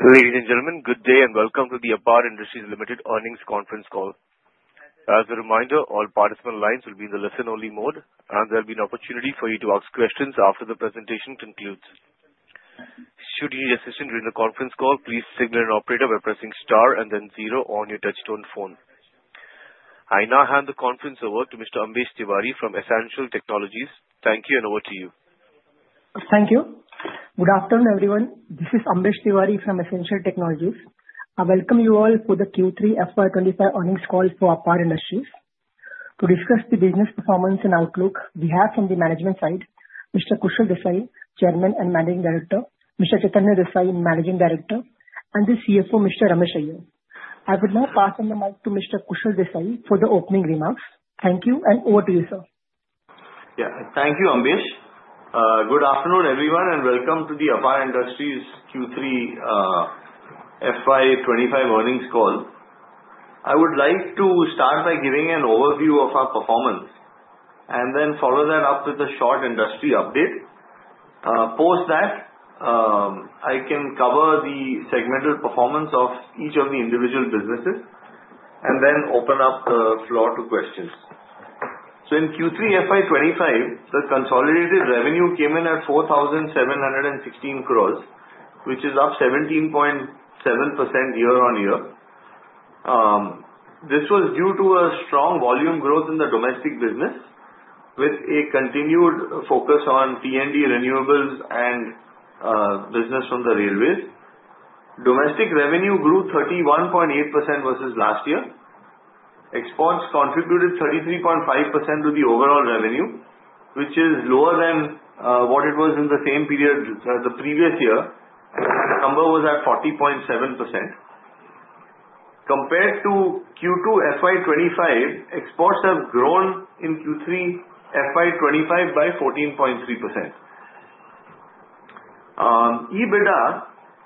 Ladies and gentlemen, good day and welcome to the APAR Industries Limited earnings conference call. As a reminder, all participant lines will be in the listen-only mode, and there'll be an opportunity for you to ask questions after the presentation concludes. Should you need assistance during the conference call, please signal an operator by pressing star and then zero on your touch-tone phone. I now hand the conference over to Mr. Ambesh Tiwari from Essential Technologies. Thank you, and over to you. Thank you. Good afternoon, everyone. This is Ambesh Tiwari from Essential Technologies. I welcome you all for the Q3 FY 2025 earnings call for APAR Industries. To discuss the business performance and outlook, we have from the management side, Mr. Kushal Desai, Chairman and Managing Director, Mr. Chaitanya Desai, Managing Director, and the CFO, Mr. Ramesh Iyer. I would now pass on the mic to Mr. Kushal Desai for the opening remarks. Thank you, and over to you, sir. Yeah, thank you, Ambesh. Good afternoon, everyone, and welcome to the APAR Industries Q3 FY 2025 earnings call. I would like to start by giving an overview of our performance and then follow that up with a short industry update. Post that, I can cover the segmental performance of each of the individual businesses and then open up the floor to questions. So in Q3 FY 2025, the consolidated revenue came in at 4,716 crores, which is up 17.7% year-on-year. This was due to a strong volume growth in the domestic business with a continued focus on T&D, renewables, and business from the railways. Domestic revenue grew 31.8% versus last year. Exports contributed 33.5% to the overall revenue, which is lower than what it was in the same period the previous year. The number was at 40.7%. Compared to Q2 FY 2025, exports have grown in Q3 FY 2025 by 14.3%. EBITDA,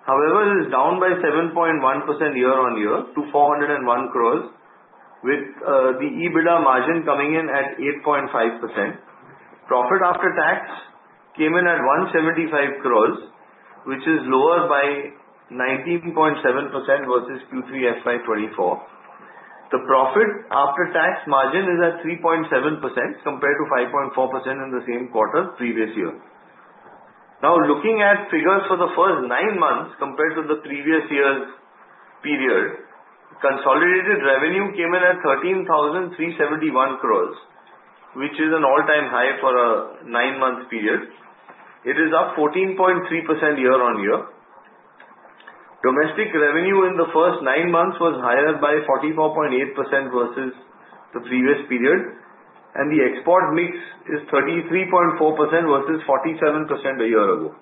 however, is down by 7.1% year-on-year to 401 crores, with the EBITDA margin coming in at 8.5%. Profit after tax came in at 175 crores, which is lower by 19.7% versus Q3 FY 2024. The profit after tax margin is at 3.7% compared to 5.4% in the same quarter previous year. Now, looking at figures for the first nine months compared to the previous year's period, consolidated revenue came in at 13,371 crores, which is an all-time high for a nine-month period. It is up 14.3% year-on-year. Domestic revenue in the first nine months was higher by 44.8% versus the previous period, and the export mix is 33.4% versus 47% a year ago.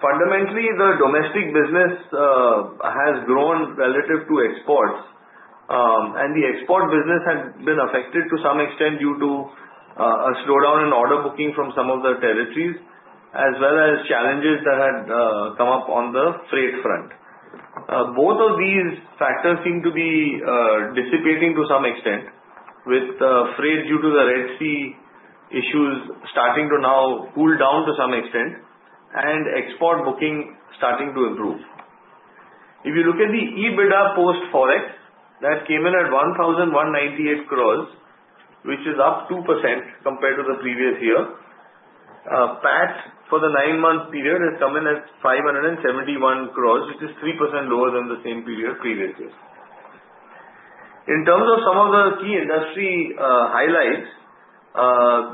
Fundamentally, the domestic business has grown relative to exports, and the export business had been affected to some extent due to a slowdown in order booking from some of the territories, as well as challenges that had come up on the freight front. Both of these factors seem to be dissipating to some extent, with the freight due to the Red Sea issues starting to now cool down to some extent and export booking starting to improve. If you look at the EBITDA post-forex, that came in at 1,198 crores, which is up 2% compared to the previous year. PAT for the nine-month period has come in at 571 crores, which is 3% lower than the same period previous year. In terms of some of the key industry highlights,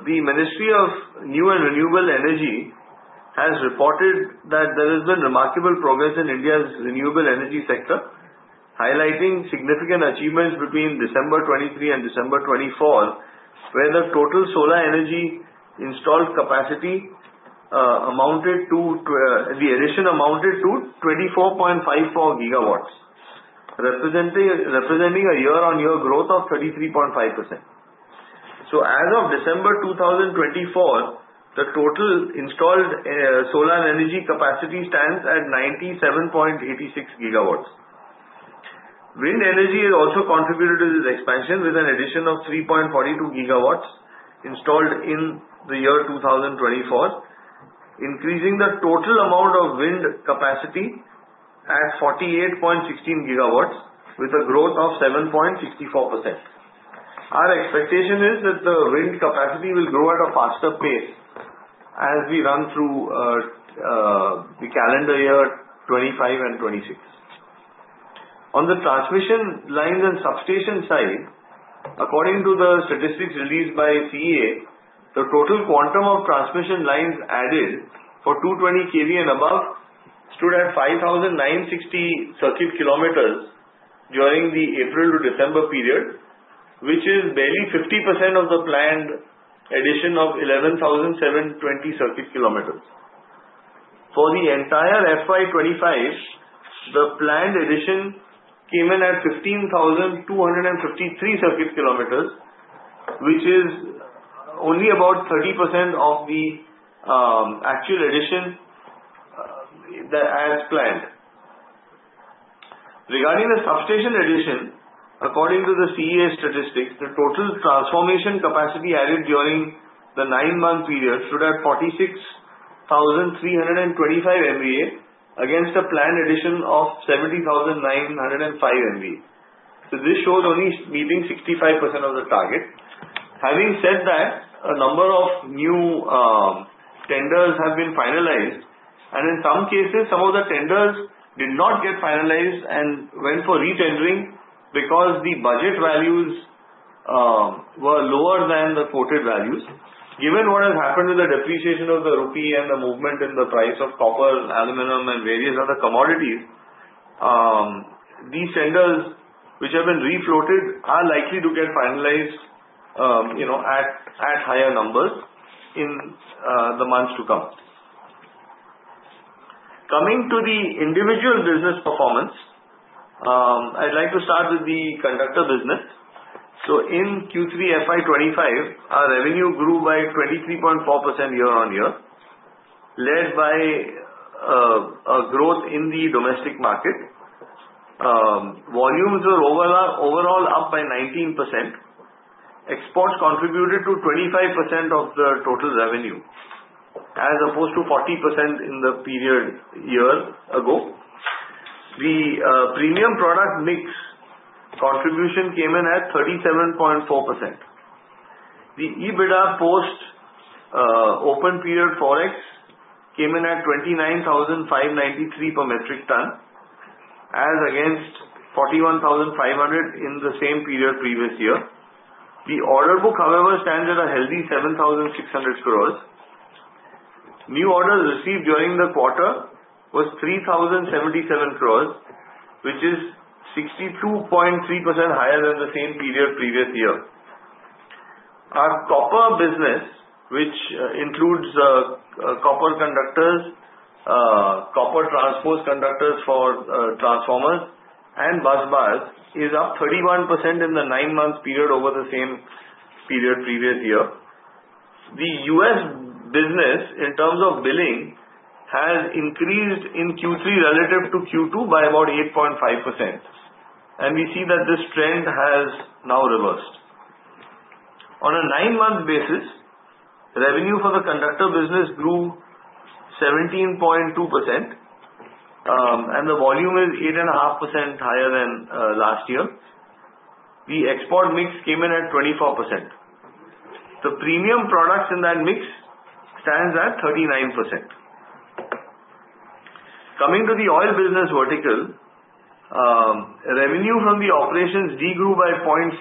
the Ministry of New and Renewable Energy has reported that there has been remarkable progress in India's renewable energy sector, highlighting significant achievements between December 2023 and December 2024, where the total solar energy installed capacity amounted to 24.54 GWs, representing a year-on-year growth of 33.5%. So as of December 2024, the total installed solar energy capacity stands at 97.86 gigawatts. Wind energy has also contributed to this expansion with an addition of 3.42 GWs installed in the year 2024, increasing the total amount of wind capacity at 48.16 GWs with a growth of 7.64%. Our expectation is that the wind capacity will grow at a faster pace as we run through the calendar year 2025 and 2026. On the transmission lines and substation side, according to the statistics released by CEA, the total quantum of transmission lines added for 220 kV and above stood at 5,960 circuit kilometers during the April to December period, which is barely 50% of the planned addition of 11,720 circuit kilometers. For the entire FY 2025, the planned addition came in at 15,253 circuit kilometers, which is only about 30% of the actual addition that was planned. Regarding the substation addition, according to the CEA statistics, the total transformer capacity added during the nine-month period stood at 46,325 MVA against a planned addition of 70,905 MVA. So this showed only meeting 65% of the target. Having said that, a number of new tenders have been finalized, and in some cases, some of the tenders did not get finalized and went for re-tendering because the budget values were lower than the quoted values. Given what has happened with the depreciation of the rupee and the movement in the price of copper, aluminum, and various other commodities, these tenders, which have been refloated, are likely to get finalized at higher numbers in the months to come. Coming to the individual business performance, I'd like to start with the conductor business. So in Q3 FY 2025, our revenue grew by 23.4% year-on-year, led by a growth in the domestic market. Volumes were overall up by 19%. Exports contributed to 25% of the total revenue, as opposed to 40% in the period a year ago. The premium product mix contribution came in at 37.4%. The EBITDA post-open period forex came in at 29,593 per metric ton, as against 41,500 in the same period previous year. The order book, however, stands at a healthy 7,600 crores. New orders received during the quarter were 3,077 crores, which is 62.3% higher than the same period previous year. Our copper business, which includes copper conductors, copper transposed conductors for transformers, and bus bars, is up 31% in the nine-month period over the same period previous year. The U.S. business, in terms of billing, has increased in Q3 relative to Q2 by about 8.5%, and we see that this trend has now reversed. On a nine-month basis, revenue for the conductor business grew 17.2%, and the volume is 8.5% higher than last year. The export mix came in at 24%. The premium products in that mix stand at 39%. Coming to the oil business vertical, revenue from the operations did grow by 0.6%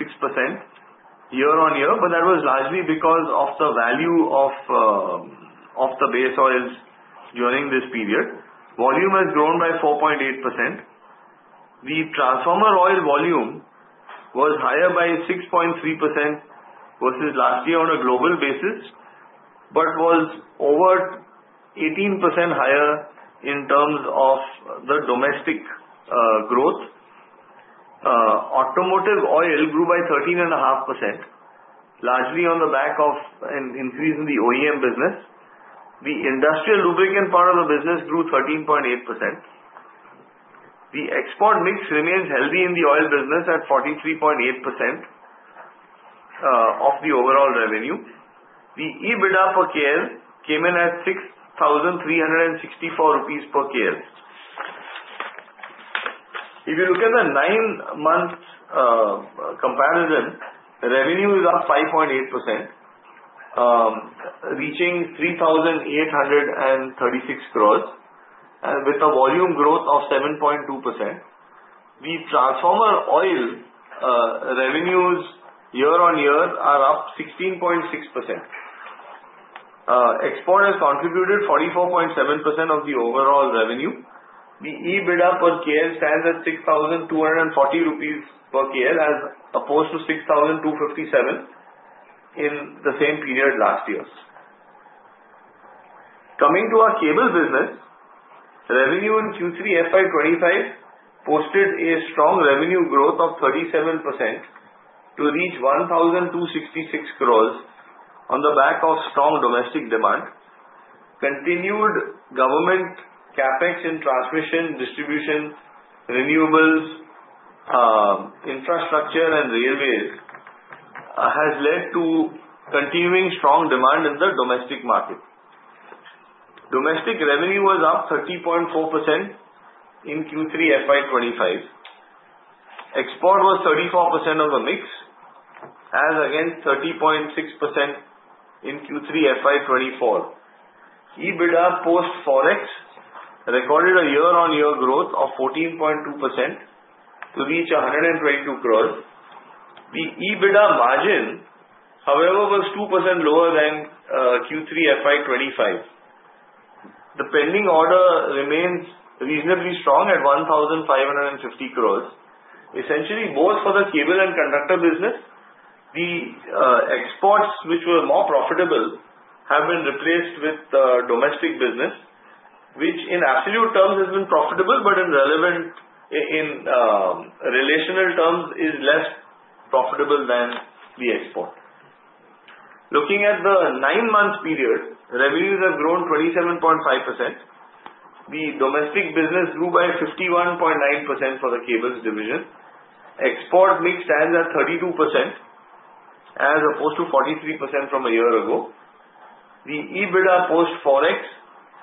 year-on-year, but that was largely because of the value of the base oils during this period. Volume has grown by 4.8%. The transformer oil volume was higher by 6.3% versus last year on a global basis, but was over 18% higher in terms of the domestic growth. Automotive oil grew by 13.5%, largely on the back of an increase in the OEM business. The industrial lubricant part of the business grew 13.8%. The export mix remains healthy in the oil business at 43.8% of the overall revenue. The EBITDA per kL came in at 6,364 rupees per kL. If you look at the nine-month comparison, revenue is up 5.8%, reaching 3,836 crores, with a volume growth of 7.2%. The transformer oil revenues year-on-year are up 16.6%. Export has contributed 44.7% of the overall revenue. The EBITDA per kL stands at 6,240 rupees per kL, as opposed to 6,257 in the same period last year. Coming to our cable business, revenue in Q3 FY 2025 posted a strong revenue growth of 37% to reach 1,266 crores on the back of strong domestic demand. Continued government CAPEX in transmission, distribution, renewables, infrastructure, and railways has led to continuing strong demand in the domestic market. Domestic revenue was up 30.4% in Q3 FY 2025. Export was 34% of the mix, as against 30.6% in Q3 FY24. EBITDA post-forex recorded a year-on-year growth of 14.2% to reach 122 crores. The EBITDA margin, however, was 2% lower than Q3 FY 2024. The pending order remains reasonably strong at 1,550 crores. Essentially, both for the cable and conductor business, the exports, which were more profitable, have been replaced with domestic business, which in absolute terms has been profitable, but in relative terms, is less profitable than the export. Looking at the nine-month period, revenues have grown 27.5%. The domestic business grew by 51.9% for the cables division. Export mix stands at 32%, as opposed to 43% from a year ago. The EBITDA post-forex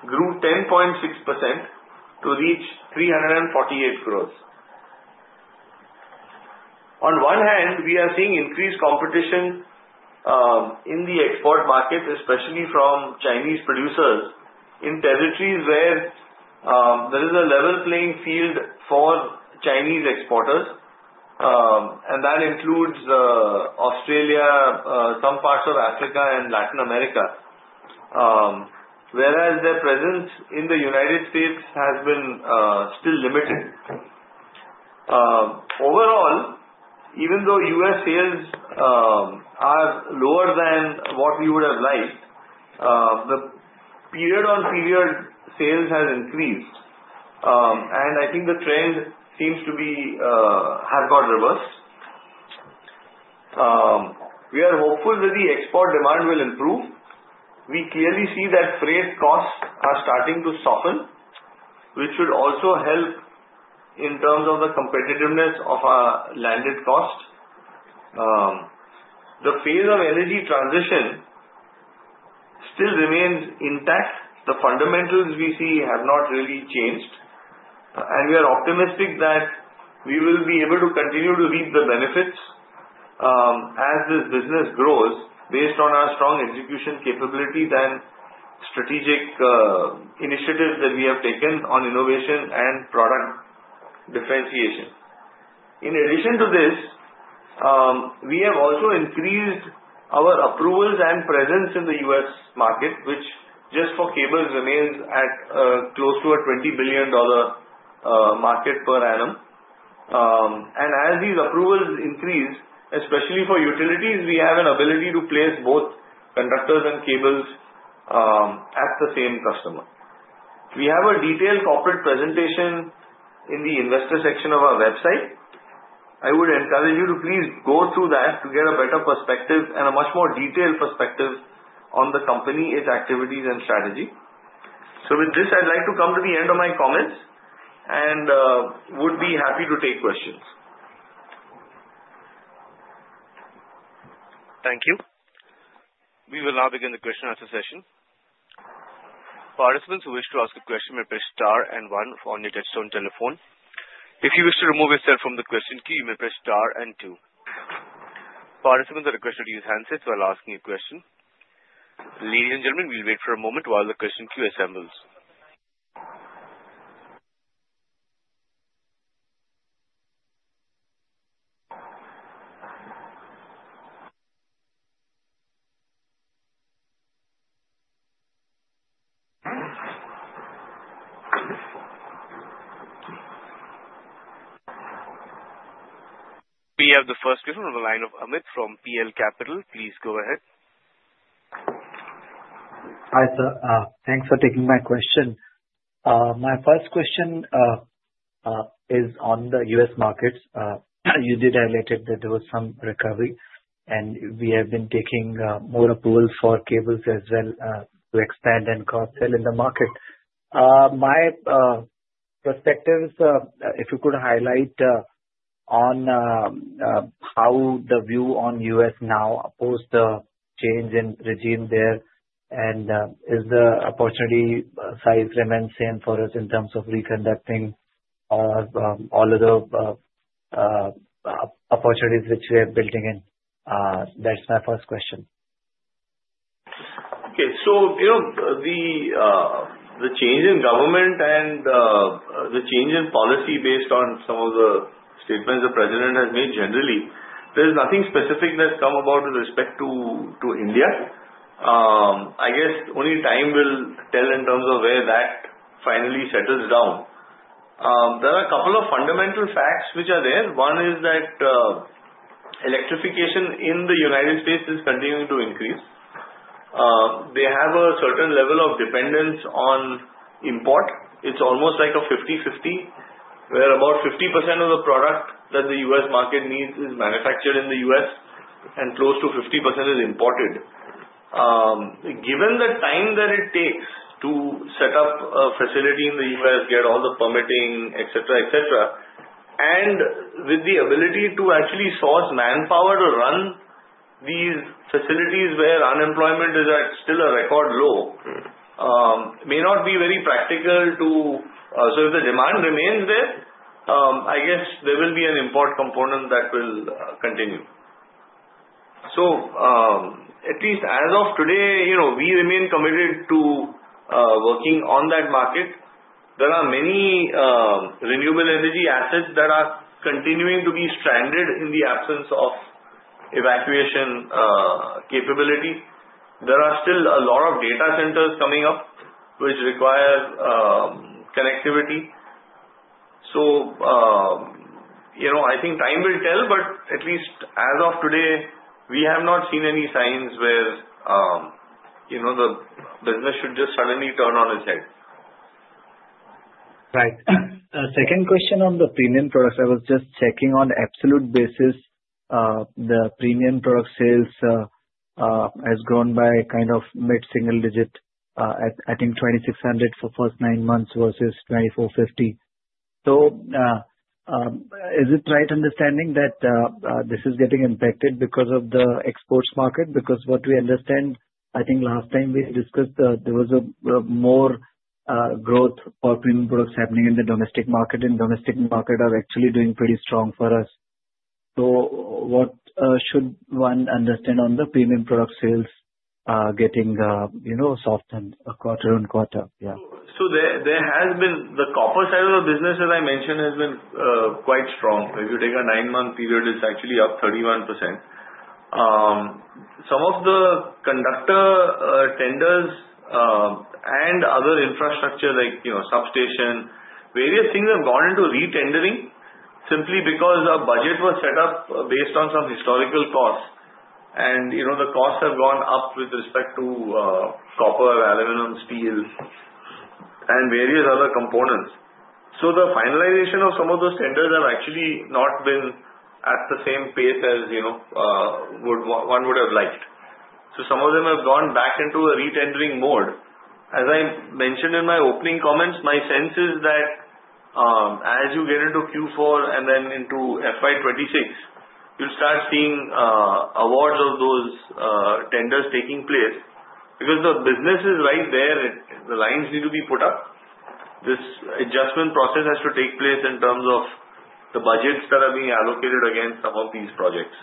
grew 10.6% to reach INR 348 crores. On one hand, we are seeing increased competition in the export market, especially from Chinese producers in territories where there is a level playing field for Chinese exporters, and that includes Australia, some parts of Africa, and Latin America, whereas their presence in the United States has been still limited. Overall, even though U.S. sales are lower than what we would have liked, the period-on-period sales have increased, and I think the trend seems to have got reversed. We are hopeful that the export demand will improve. We clearly see that freight costs are starting to soften, which would also help in terms of the competitiveness of our landed cost. The phase of energy transition still remains intact. The fundamentals we see have not really changed, and we are optimistic that we will be able to continue to reap the benefits as this business grows based on our strong execution capabilities and strategic initiatives that we have taken on innovation and product differentiation. In addition to this, we have also increased our approvals and presence in the U.S. market, which just for cables remains close to a $20 billion market per annum, and as these approvals increase, especially for utilities, we have an ability to place both conductors and cables at the same customer. We have a detailed corporate presentation in the investor section of our website. I would encourage you to please go through that to get a better perspective and a much more detailed perspective on the company, its activities, and strategy. So with this, I'd like to come to the end of my comments and would be happy to take questions. Thank you. We will now begin the question-answer session. Participants who wish to ask a question may press star and one on your touchtone telephone. If you wish to remove yourself from the question queue, you may press star and two. Participants are requested to use handsets while asking a question. Ladies and gentlemen, we'll wait for a moment while the question queue assembles. We have the first question from the line of Amit from PL Capital. Please go ahead. Hi sir. Thanks for taking my question. My first question is on the U.S. markets. You did highlight that there was some recovery, and we have been taking more approvals for cables as well to expand and cross-sell in the market. My perspective is if you could highlight on how the view on the U.S. now post the change in regime there, and is the opportunity size remained the same for us in terms of re-conductoring all of the opportunities which we are building in. That's my first question. Okay. So the change in government and the change in policy based on some of the statements the president has made generally, there's nothing specific that's come about with respect to India. I guess only time will tell in terms of where that finally settles down. There are a couple of fundamental facts which are there. One is that electrification in the United States is continuing to increase. They have a certain level of dependence on import. It's almost like a 50/50, where about 50% of the product that the U.S. market needs is manufactured in the U.S. and close to 50% is imported. Given the time that it takes to set up a facility in the U.S., get all the permitting, etc., etc., and with the ability to actually source manpower to run these facilities where unemployment is at still a record low, it may not be very practical to. So if the demand remains there, I guess there will be an import component that will continue. So at least as of today, we remain committed to working on that market. There are many renewable energy assets that are continuing to be stranded in the absence of evacuation capability. There are still a lot of data centers coming up which require connectivity. So I think time will tell, but at least as of today, we have not seen any signs where the business should just suddenly turn on its head. Right. Second question on the premium products. I was just checking on absolute basis. The premium product sales have grown by kind of mid-single digit, I think 2,600 for the first nine months versus 2,450. So is it right understanding that this is getting impacted because of the exports market? Because what we understand, I think last time we discussed, there was more growth for premium products happening in the domestic market, and domestic markets are actually doing pretty strong for us. So what should one understand on the premium product sales getting soft and quarter on quarter? Yeah. So there has been the copper side of the business, as I mentioned, has been quite strong. If you take a nine-month period, it's actually up 31%. Some of the conductor tenders and other infrastructure like substation, various things have gone into retendering simply because our budget was set up based on some historical costs, and the costs have gone up with respect to copper, aluminum, steel, and various other components. So the finalization of some of those tenders has actually not been at the same pace as one would have liked. So some of them have gone back into a retendering mode. As I mentioned in my opening comments, my sense is that as you get into Q4 and then into FY 2026, you'll start seeing awards of those tenders taking place because the business is right there. The lines need to be put up. This adjustment process has to take place in terms of the budges that are being allocated against some of these projects.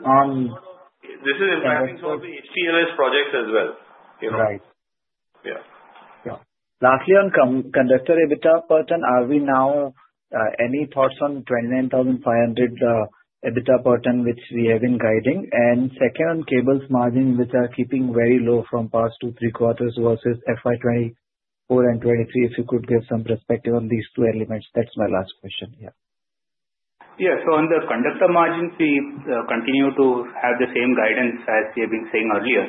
on this. This is impacting some of the HTLS projects as well. Right. Yeah. Lastly, on conductor EBITDA per ton, do you have any thoughts now on 29,500 EBITDA per ton which we have been guiding? And second, on cables margins which are keeping very low from past two, three quarters versus FY 2024 and 2023, if you could give some perspective on these two elements. That's my last question. Yeah. Yeah. So on the conductor margins, we continue to have the same guidance as we have been saying earlier,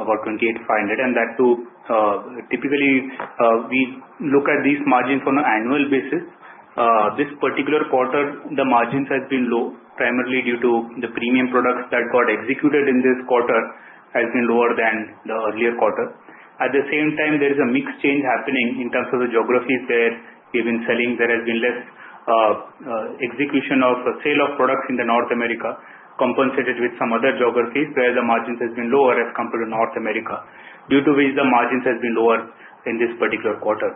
about 28,500. And that too, typically, we look at these margins on an annual basis. This particular quarter, the margins have been low, primarily due to the premium products that got executed in this quarter have been lower than the earlier quarter. At the same time, there is a mix change happening in terms of the geographies where we have been selling. There has been less execution of sale of products in North America, compensated with some other geographies where the margins have been lower as compared to North America, due to which the margins have been lower in this particular quarter.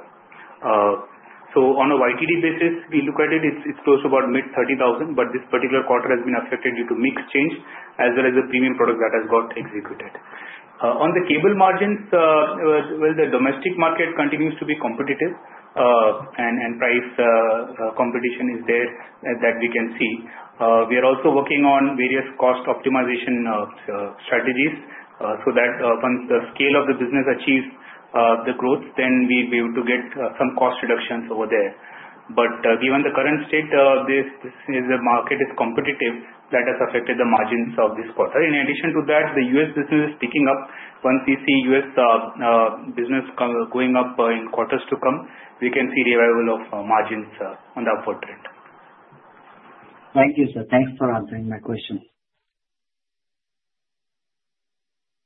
On a YTD basis, we look at it, it's close to about mid-30,000, but this particular quarter has been affected due to mix change as well as the premium product that has got executed. On the cable margins, well, the domestic market continues to be competitive, and price competition is there that we can see. We are also working on various cost optimization strategies so that once the scale of the business achieves the growth, then we'll be able to get some cost reductions over there. Given the current state, the market is competitive. That has affected the margins of this quarter. In addition to that, the U.S. business is picking up. Once we see U.S. business going up in quarters to come, we can see the availability of margins on the upward trend. Thank you, sir. Thanks for answering my question.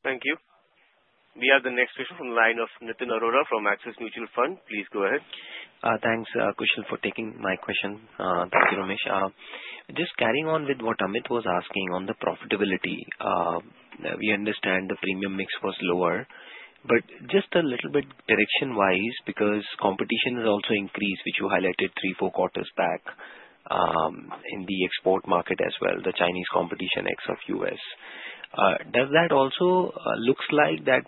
Thank you. We have the next question from the line of Nitin Arora from Axis Mutual Fund. Please go ahead. Thanks, Kushal, for taking my question. Thank you, Ramesh. Just carrying on with what Amit was asking on the profitability, we understand the premium mix was lower, but just a little bit direction-wise because competition has also increased, which you highlighted three, four quarters back in the export market as well, the Chinese competition except U.S. Does that also look like that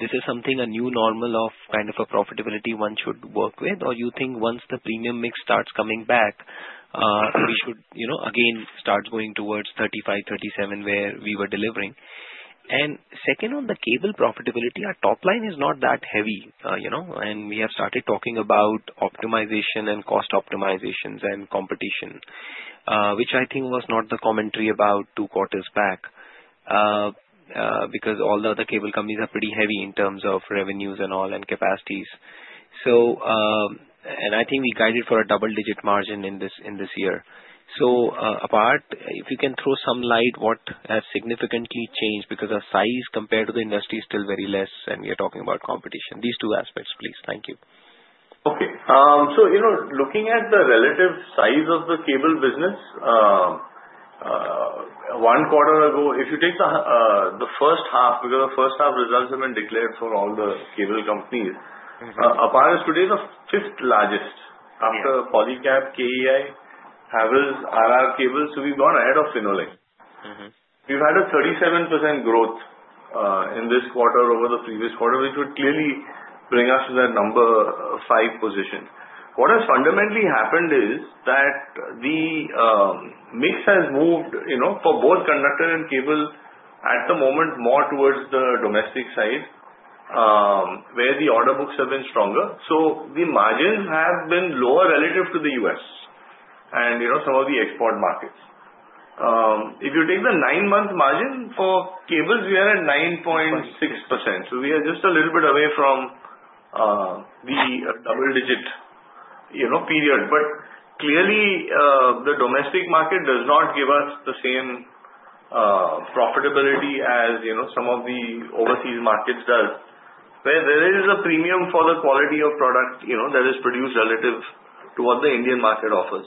this is something, a new normal of kind of a profitability one should work with, or do you think once the premium mix starts coming back, we should again start going towards 35-37 where we were delivering? And second, on the cable profitability, our top line is not that heavy, and we have started talking about optimization and cost optimizations and competition, which I think was not the commentary about two quarters back because all the other cable companies are pretty heavy in terms of revenues and all and capacities. And I think we guided for a double-digit margin in this year. So if you can throw some light, what has significantly changed because of size compared to the industry is still very less, and we are talking about competition. These two aspects, please. Thank you. Okay. So looking at the relative size of the cable business, one quarter ago, if you take the first half because the first half results have been declared for all the cable companies, APAR's today is the fifth largest after Polycab, KEI, Havells, RR Kabel. So we've gone ahead of Finolex. We've had a 37% growth in this quarter over the previous quarter, which would clearly bring us to that number five position. What has fundamentally happened is that the mix has moved for both conductor and cable at the moment more towards the domestic side where the order books have been stronger. So the margins have been lower relative to the U.S. and some of the export markets. If you take the nine-month margin for cables, we are at 9.6%. So we are just a little bit away from the double-digit period. But clearly, the domestic market does not give us the same profitability as some of the overseas markets does, where there is a premium for the quality of product that is produced relative to what the Indian market offers.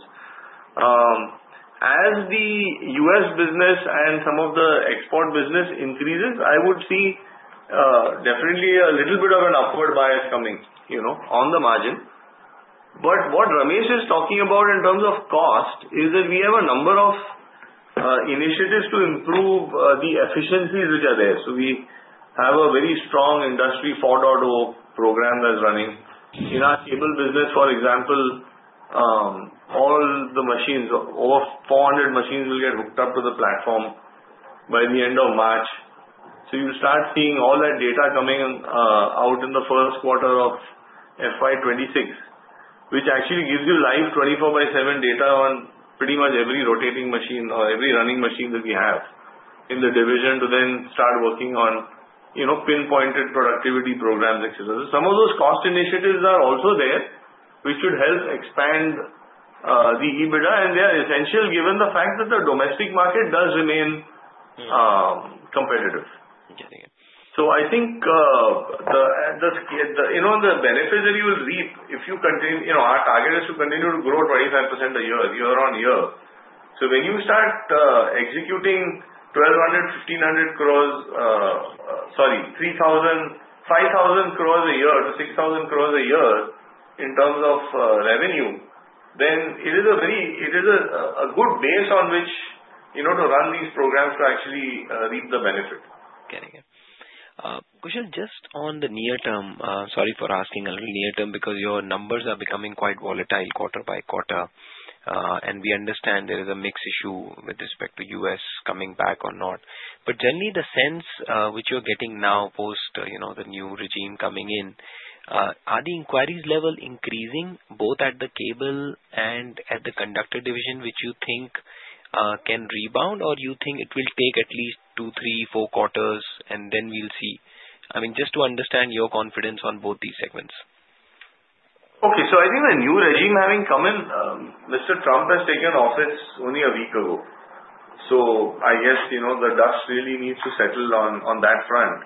As the U.S. business and some of the export business increases, I would see definitely a little bit of an upward bias coming on the margin. But what Ramesh is talking about in terms of cost is that we have a number of initiatives to improve the efficiencies which are there. So we have a very strong Industry 4.0 program that is running. In our cable business, for example, all the machines, over 400 machines will get hooked up to the platform by the end of March. You'll start seeing all that data coming out in the first quarter of FY 2026, which actually gives you live 24/7 data on pretty much every rotating machine or every running machine that we have in the division to then start working on pinpointed productivity programs, etc. Some of those cost initiatives are also there, which should help expand the EBITDA, and they are essential given the fact that the domestic market does remain competitive. I think the benefits that you will reap if you continue our target is to continue to grow 25% a year, year on year. When you start executing 1,200 crores-1,500 crores - sorry, 3,000 crores-5,000 crores a year to 6,000 crores a year in terms of revenue - then it is a good base on which to run these programs to actually reap the benefit. Getting it. Kushal, just on the near term, sorry for asking a little near term because your numbers are becoming quite volatile quarter by quarter, and we understand there is a mixed issue with respect to U.S. coming back or not. But generally, the sense which you're getting now post the new regime coming in, are the inquiries level increasing both at the cable and at the conductor division, which you think can rebound, or do you think it will take at least two, three, four quarters, and then we'll see? I mean, just to understand your confidence on both these segments. Okay. So I think the new regime having come in, Mr. Trump has taken office only a week ago. So I guess the dust really needs to settle on that front.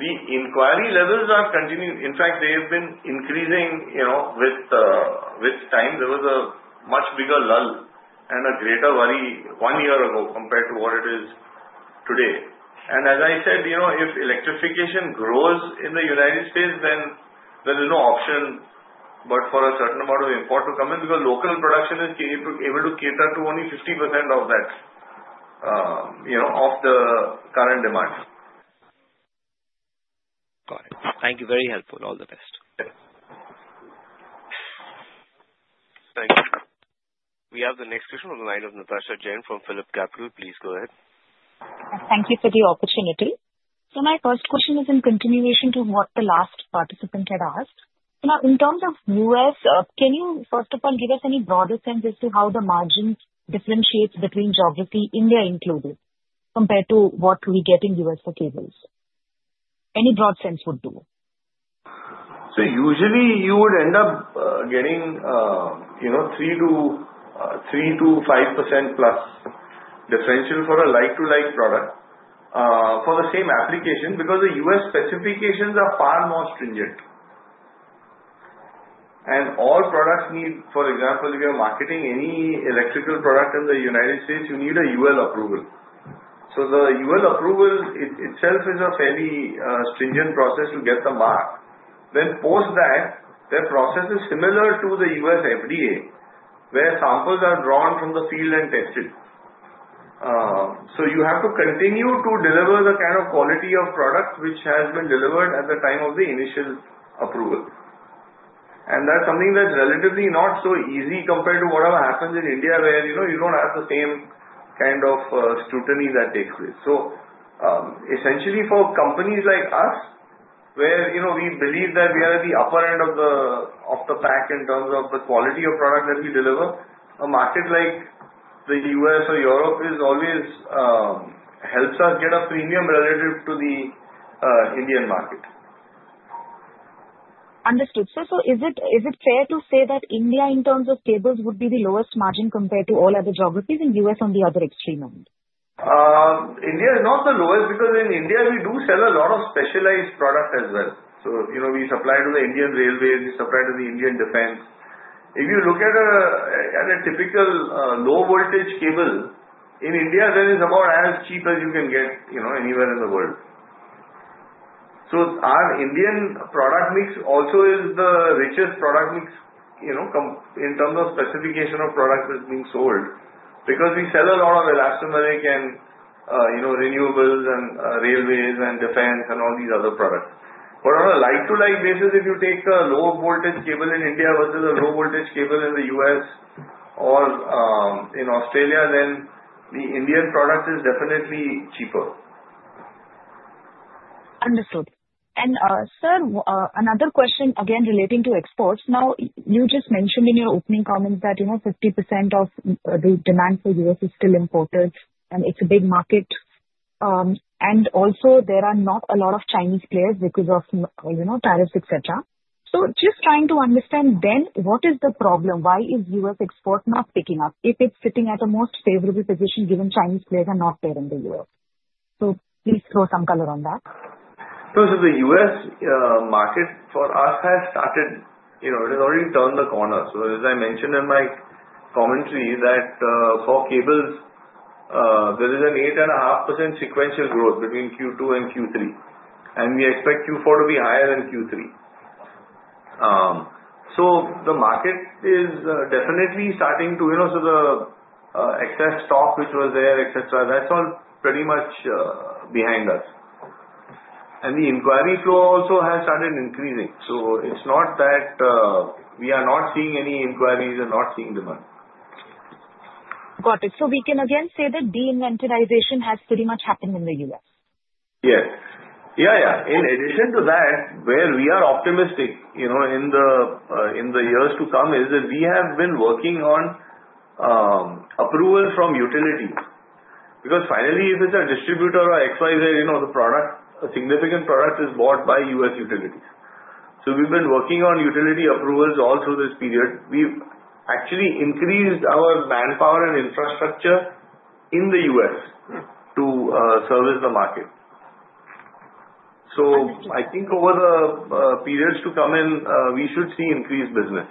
The inquiry levels are continuing. In fact, they have been increasing with time. There was a much bigger lull and a greater worry one year ago compared to what it is today, and as I said, if electrification grows in the United States, then there is no option but for a certain amount of import to come in because local production is able to cater to only 50% of that of the current demand. Got it. Thank you. Very helpful. All the best. Thank you. We have the next question on the line of Natasha Jain from PhillipCapital. Please go ahead. Thank you for the opportunity. So my first question is in continuation to what the last participant had asked. In terms of U.S., can you, first of all, give us any broader sense as to how the margin differentiates between geography, India included, compared to what we get in U.S. for cables? Any broad sense would do. So usually, you would end up getting 3%-5% plus differential for a like-to-like product for the same application because the U.S. specifications are far more stringent. And all products need, for example, if you're marketing any electrical product in the United States, you need a UL approval. So the UL approval itself is a fairly stringent process to get the mark. Then post that, the process is similar to the U.S. FDA where samples are drawn from the field and tested. So you have to continue to deliver the kind of quality of product which has been delivered at the time of the initial approval. And that's something that's relatively not so easy compared to whatever happens in India where you don't have the same kind of scrutiny that takes place. So essentially, for companies like us, where we believe that we are at the upper end of the pack in terms of the quality of product that we deliver, a market like the U.S. or Europe helps us get a premium relative to the Indian market. Understood. So is it fair to say that India, in terms of cables, would be the lowest margin compared to all other geographies and U.S. on the other extreme end? India is not the lowest because in India, we do sell a lot of specialized products as well. So we supply to the Indian Railways. We supply to the Indian Defense. If you look at a typical low-voltage cable in India, then it's about as cheap as you can get anywhere in the world. So our Indian product mix also is the richest product mix in terms of specification of products that are being sold because we sell a lot of elastomeric and renewables and railways and defense and all these other products. But on a like-to-like basis, if you take a low-voltage cable in India versus a low-voltage cable in the U.S. or in Australia, then the Indian product is definitely cheaper. Understood. And, sir, another question again relating to exports. Now, you just mentioned in your opening comments that 50% of the demand for U.S. is still imported, and it's a big market. And also, there are not a lot of Chinese players because of tariffs, etc. So just trying to understand then what is the problem? Why is U.S. export not picking up if it's sitting at a most favorable position given Chinese players are not there in the U.S.? So please throw some color on that. So the U.S. market for us has started, it has already turned the corner. So as I mentioned in my commentary that for cables, there is an 8.5% sequential growth between Q2 and Q3, and we expect Q4 to be higher than Q3. So the market is definitely starting to, so the excess stock which was there, etc., that's all pretty much behind us. And the inquiry flow also has started increasing. So it's not that we are not seeing any inquiries and not seeing demand. Got it. So we can again say that de-inventorization has pretty much happened in the U.S. Yes. Yeah, yeah. In addition to that, where we are optimistic in the years to come is that we have been working on approvals from utilities because finally, if it's a distributor or XYZ, the significant product is bought by U.S. utilities. So we've been working on utility approvals all through this period. We've actually increased our manpower and infrastructure in the U.S. to service the market. So I think over the periods to come in, we should see increased business.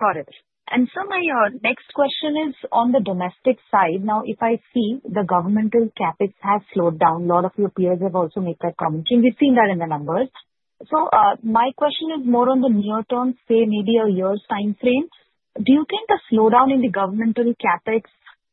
Got it. And so my next question is on the domestic side. Now, if I see the governmental CapEx has slowed down, a lot of your peers have also made that comment. We've seen that in the numbers. So my question is more on the near term, say maybe a year's time frame. Do you think the slowdown in the governmental CapEx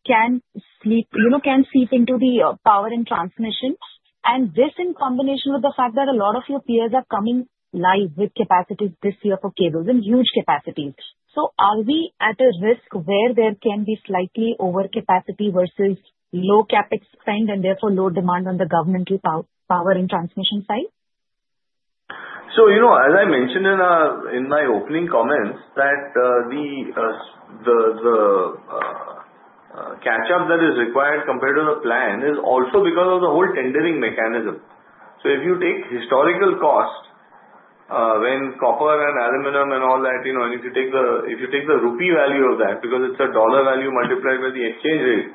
can seep into the power and transmission? And this in combination with the fact that a lot of your peers are coming live with capacities this year for cables and huge capacities. So are we at a risk where there can be slightly overcapacity versus low CapEx spend and therefore low demand on the governmental power and transmission side? So as I mentioned in my opening comments that the catch-up that is required compared to the plan is also because of the whole tendering mechanism. So if you take historical costs when copper and aluminum and all that, and if you take the rupee value of that because it's a dollar value multiplied by the exchange rate,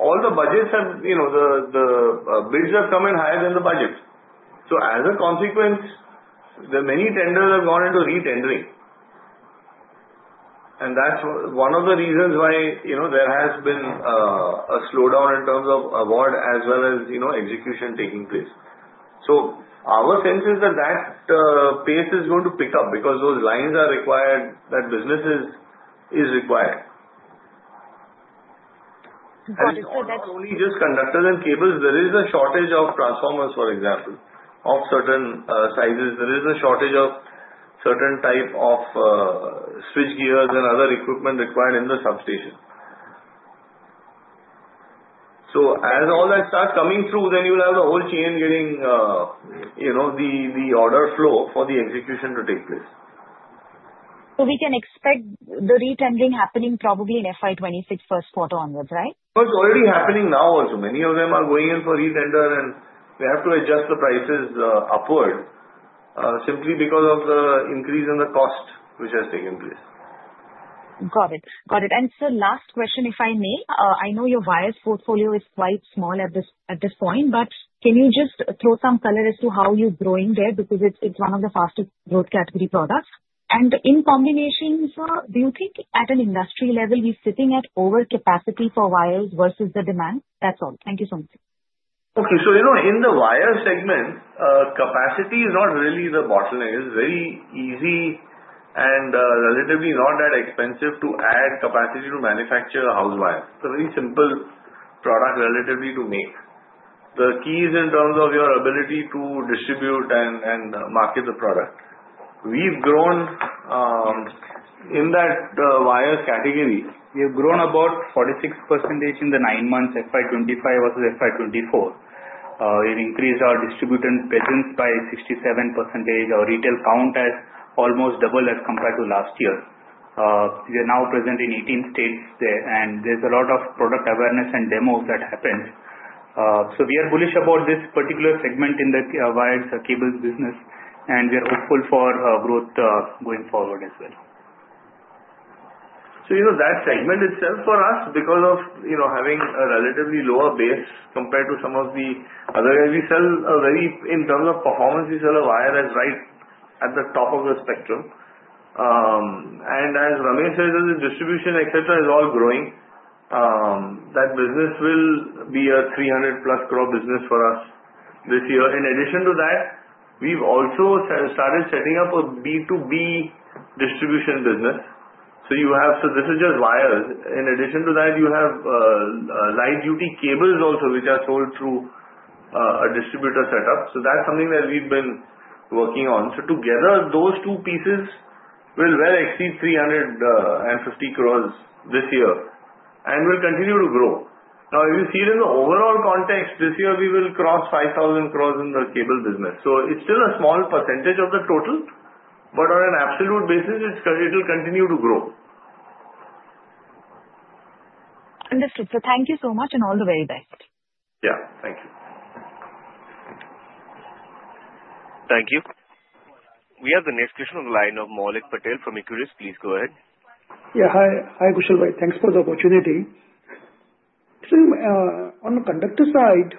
all the budgets have - the bids have come in higher than the budget. So as a consequence, many tenders have gone into re-tendering. And that's one of the reasons why there has been a slowdown in terms of award as well as execution taking place. So our sense is that that pace is going to pick up because those lines are required, that business is required. It's not only just conductors and cables. There is a shortage of transformers, for example, of certain sizes. There is a shortage of certain types of switchgear and other equipment required in the substation. So as all that starts coming through, then you'll have the whole chain getting the order flow for the execution to take place. So we can expect the re-tendering happening probably in FY 2026, first quarter onwards, right? It's already happening now also. Many of them are going in for re-tender, and we have to adjust the prices upward simply because of the increase in the cost which has taken place. Got it. Got it. And so last question, if I may. I know your wires portfolio is quite small at this point, but can you just throw some color as to how you're growing there because it's one of the fastest growth category products? In combination, do you think at an industry level we're sitting at overcapacity for wires versus the demand? That's all. Thank you so much. In the wire segment, capacity is not really the bottleneck. It's very easy and relatively not that expensive to add capacity to manufacture house wires. It's a very simple product relatively to make. The key is in terms of your ability to distribute and market the product. We've grown in t hat wire category. We have grown about 46% in the nine months, FY 2025 versus FY 2024. We've increased our distributor points by 67%. Our retail count has almost doubled as compared to last year. We are now present in 18 states, and there's a lot of product awareness and demos that happen. So we are bullish about this particular segment in the wires, cables business, and we are hopeful for growth going forward as well. So that segment itself for us, because of having a relatively lower base compared to some of the other—we sell a very—in terms of performance, we sell a wire that's right at the top of the spectrum. And as Ramesh said, the distribution, etc., is all growing. That business will be a 300+ crore business for us this year. In addition to that, we've also started setting up a B2B distribution business. So this is just wires. In addition to that, you have light-duty cables also which are sold through a distributor setup. So together, those two pieces will well exceed 350 crores this year and will continue to grow. Now, if you see it in the overall context, this year we will cross 5,000 crores in the cable business. So it's still a small percentage of the total, but on an absolute basis, it'll continue to grow. Understood. So thank you so much and all the very best. Yeah. Thank you. Thank you. We have the next question on the line of Maulik Patel from Equirus Securities. Please go ahead. Yeah. Hi, Kushal. Thanks for the opportunity. On the conductor side,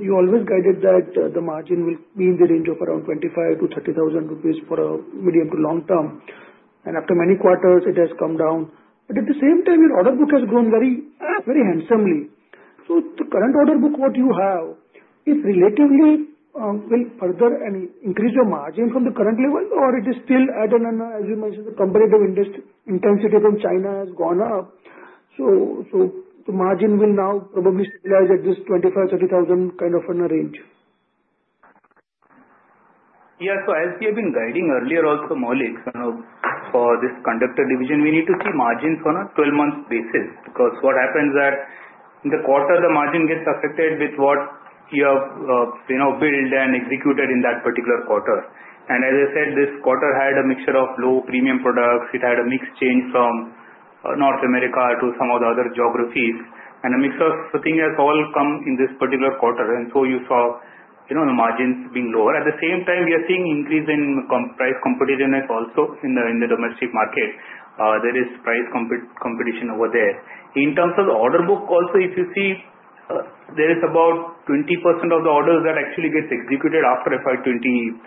you always guided that the margin will be in the range of around 25,000-30,000 rupees for a medium to long term. And after many quarters, it has come down. But at the same time, your order book has grown very handsomely. So the current order book, what you have, it's relatively will further and increase your margin from the current level, or it is still at an, as you mentioned, the competitive intensity from China has gone up. So the margin will now probably stabilize at this 25,000, 30,000 kind of range. Yeah. So as we have been guiding earlier also, Maulik, for this conductor division, we need to see margins on a 12-month basis because what happens that in the quarter, the margin gets affected with what you have billed and executed in that particular quarter. And as I said, this quarter had a mixture of low-premium products. It had a mix change from North America to some of the other geographies. And a mix of things has all come in this particular quarter. And so you saw the margins being lower. At the same time, we are seeing increase in price competitiveness also in the domestic market. There is price competition over there. In terms of the order book also, if you see, there is about 20% of the orders that actually gets executed after FY 2020,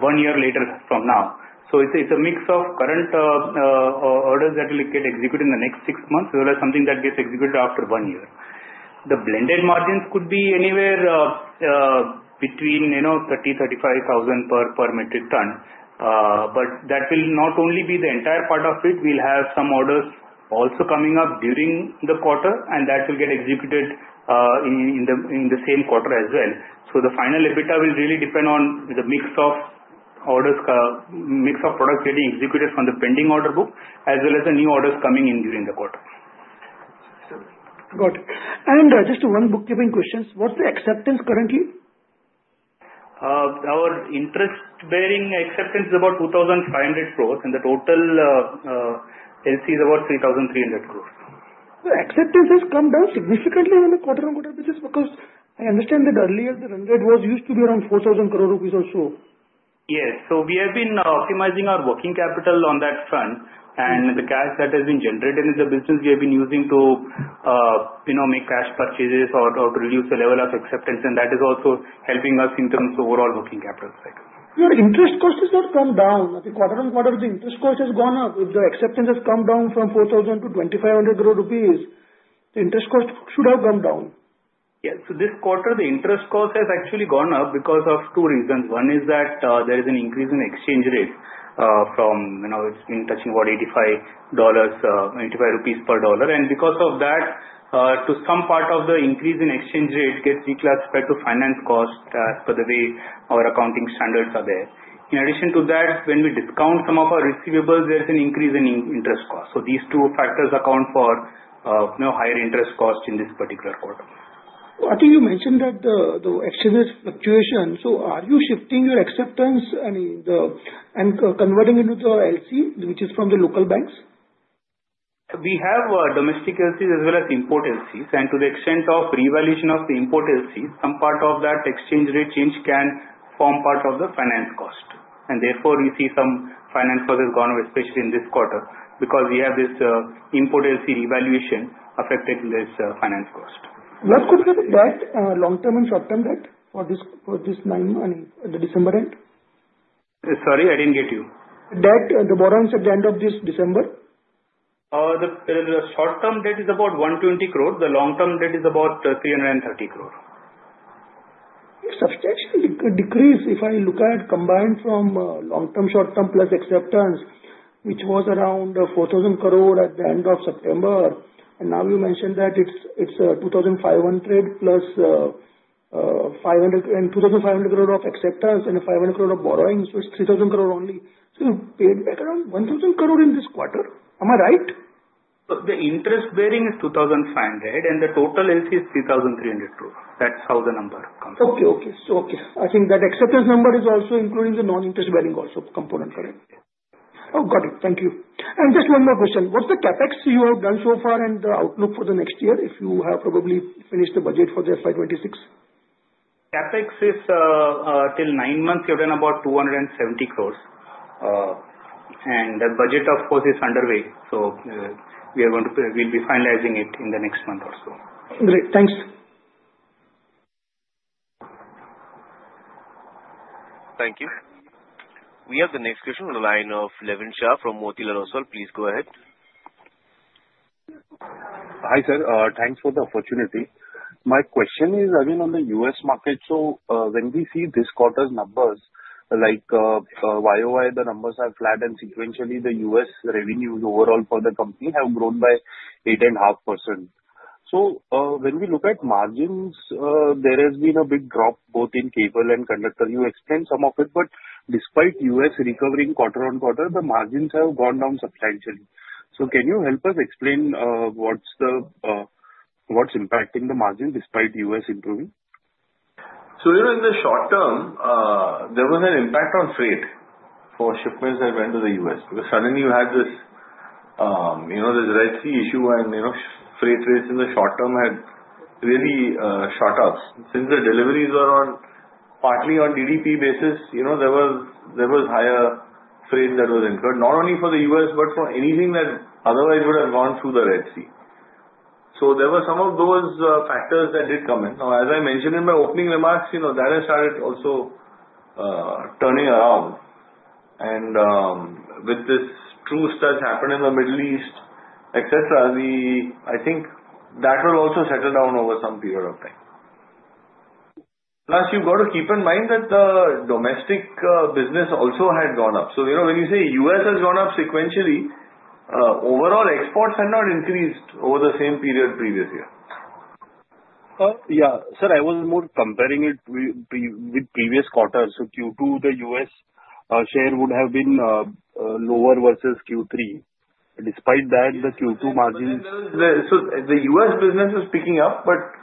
one year later from now. So it's a mix of current orders that will get executed in the next six months as well as something that gets executed after one year. The blended margins could be anywhere between 30,000-35,000 per metric ton. But that will not only be the entire part of it. We'll have some orders also coming up during the quarter, and that will get executed in the same quarter as well. So the final EBITDA will really depend on the mix of products getting executed from the pending order book as well as the new orders coming in during the quarter. Got it. And just one bookkeeping question. What's the acceptance currently? Our interest-bearing acceptance is about 2,500 crores, and the total LC is about 3,300 crores. So acceptance has come down significantly in the quarter-on-quarter basis because I understand that earlier, the run rate was used to be around 4,000 crore rupees or so. Yes. So we have been optimizing our working capital on that front. And the cash that has been generated in the business, we have been using to make cash purchases or to reduce the level of acceptance. And that is also helping us in terms of overall working capital cycle. Your interest cost has not come down. The quarter-on-quarter, the interest cost has gone up. If the acceptance has come down from 4,000 crore-2,500 crore rupees, the interest cost should have gone down. Yes. So this quarter, the interest cost has actually gone up because of two reasons. One is that there is an increase in exchange rate from. It's been touching about INR 85 per $1. And because of that, to some part of the increase in exchange rate gets reclassified to finance cost as per the way our accounting standards are there. In addition to that, when we discount some of our receivables, there's an increase in interest cost. So these two factors account for higher interest cost in this particular quarter. I think you mentioned that the exchange rate fluctuation. So are you shifting your acceptance and converting into the LC, which is from the local banks? We have domestic LCs as well as import LCs. To the extent of revaluation of the import LCs, some part of that exchange rate change can form part of the finance cost. And therefore, we see some finance cost has gone up, especially in this quarter because we have this import LC revaluation affected in this finance cost. Last question. Is that long-term and short-term debt for this December end? Sorry, I didn't get you. Debt, the borrowings at the end of this December? The short-term debt is about 120 crore. The long-term debt is about 330 crore. Substantial decrease. If I look at combined from long-term, short-term plus acceptance, which was around 4,000 crore at the end of September. And now you mentioned that it's 2,500+500 and 2,500 crore of acceptance and 500 crore of borrowing. So it's 3,000 crore only. So you paid back around 1,000 crore in this quarter. Am I right? The interest-bearing is 2,500 crore, and the total LC is 3,300 crore. That's how the number comes up. Okay. So, okay. I think that acceptance number is also including the non-interest-bearing component, correct? Oh, got it. Thank you. And just one more question. What's the CapEx you have done so far and the outlook for the next year if you have probably finished the budget for the FY 2026? CapEx is till nine months, given about 270 crores. And the budget, of course, is underway. So we are going to be finalizing it in the next month or so. Great. Thanks. Thank you. We have the next question on the line of Levin Shah from Motilal Oswal. Please go ahead. Hi, sir. Thanks for the opportunity. My question is again on the U.S. market. So when we see this quarter's numbers, like YoY, the numbers are flat, and sequentially, the U.S. revenues overall for the company have grown by 8.5%. So when we look at margins, there has been a big drop both in cable and conductor. You explained some of it, but despite U.S. recovering quarter on quarter, the margins have gone down substantially. So can you help us explain what's impacting the margins despite U.S. improving? So in the short term, there was an impact on freight for shipments that went to the U.S. because suddenly you had this Red Sea issue, and freight rates in the short term had really shot up. Since the deliveries were partly on DDP basis, there was higher freight that was incurred, not only for the U.S., but for anything that otherwise would have gone through the Red Sea. So there were some of those factors that did come in. Now, as I mentioned in my opening remarks, that has started also turning around. And with this truce that's happened in the Middle East, etc., I think that will also settle down over some period of time. Plus, you've got to keep in mind that the domestic business also had gone up. So when you say U.S. has gone up sequentially, overall exports had not increased over the same period previous year. Yeah. Sir, I was more comparing it with previous quarters. So Q2, the U.S. share would have been lower versus Q3. Despite that, the Q2 margins. So the U.S. business was picking up, but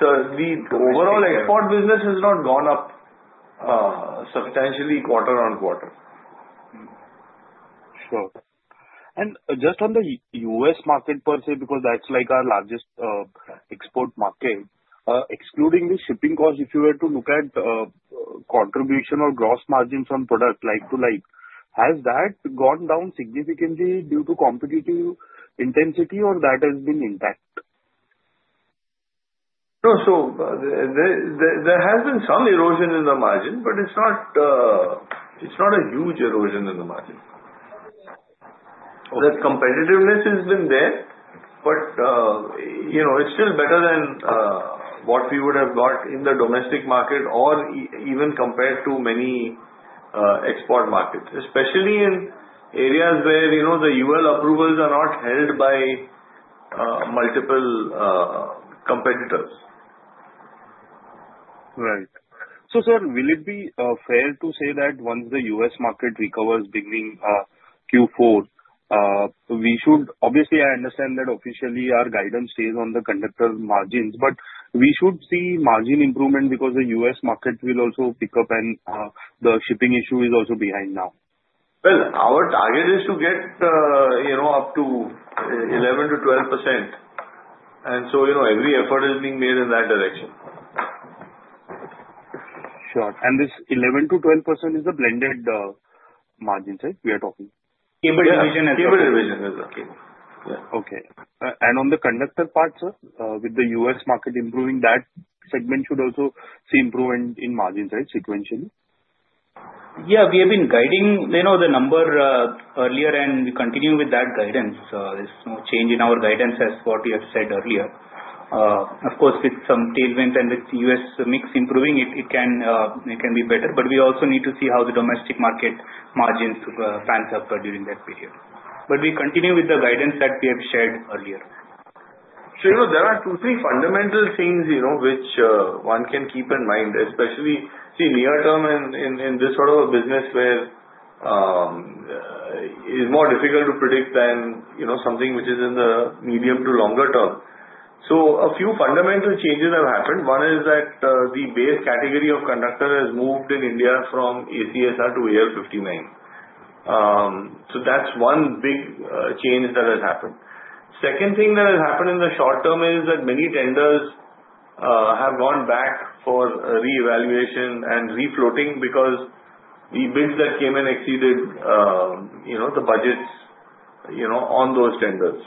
the overall export business has not gone up substantially quarter on quarter. Sure. Just on the U.S. market per se, because that's our largest export market, excluding the shipping cost, if you were to look at contribution or gross margins on product like to like, has that gone down significantly due to competitive intensity, or that has been intact? No. So there has been some erosion in the margin, but it's not a huge erosion in the margin. That competitiveness has been there, but it's still better than what we would have got in the domestic market or even compared to many export markets, especially in areas where the UL approvals are not held by multiple competitors. Right. So sir, will it be fair to say that once the U.S. market recovers beginning Q4, we should obviously I understand that officially our guidance stays on the conductor margins, but we should see margin improvement because the U.S. market will also pick up and the shipping issue is also behind now. Well, our target is to get up to 11%-12%. And so every effort is being made in that direction. Sure. And this 11%-12% is the blended margins, right, we are talking? Cable division as well. Cable division as well. Yeah. Okay. And on the conductor part, sir, with the US market improving, that segment should also see improvement in margins, right, sequentially? Yeah. We have been guiding the number earlier, and we continue with that guidance. There's no change in our guidance as what we have said earlier. Of course, with some tailwinds and with U.S. mix improving, it can be better. But we also need to see how the domestic market margins pan out during that period. But we continue with the guidance that we have shared earlier. So there are two, three fundamental things which one can keep in mind, especially in the near-term in this sort of a business where it is more difficult to predict than something which is in the medium to longer term. So a few fundamental changes have happened. One is that the base category of conductor has moved in India from ACSR to AL59. So that's one big change that has happened. Second thing that has happened in the short term is that many tenders have gone back for reevaluation and refloating because the bids that came in exceeded the budgets on those tenders.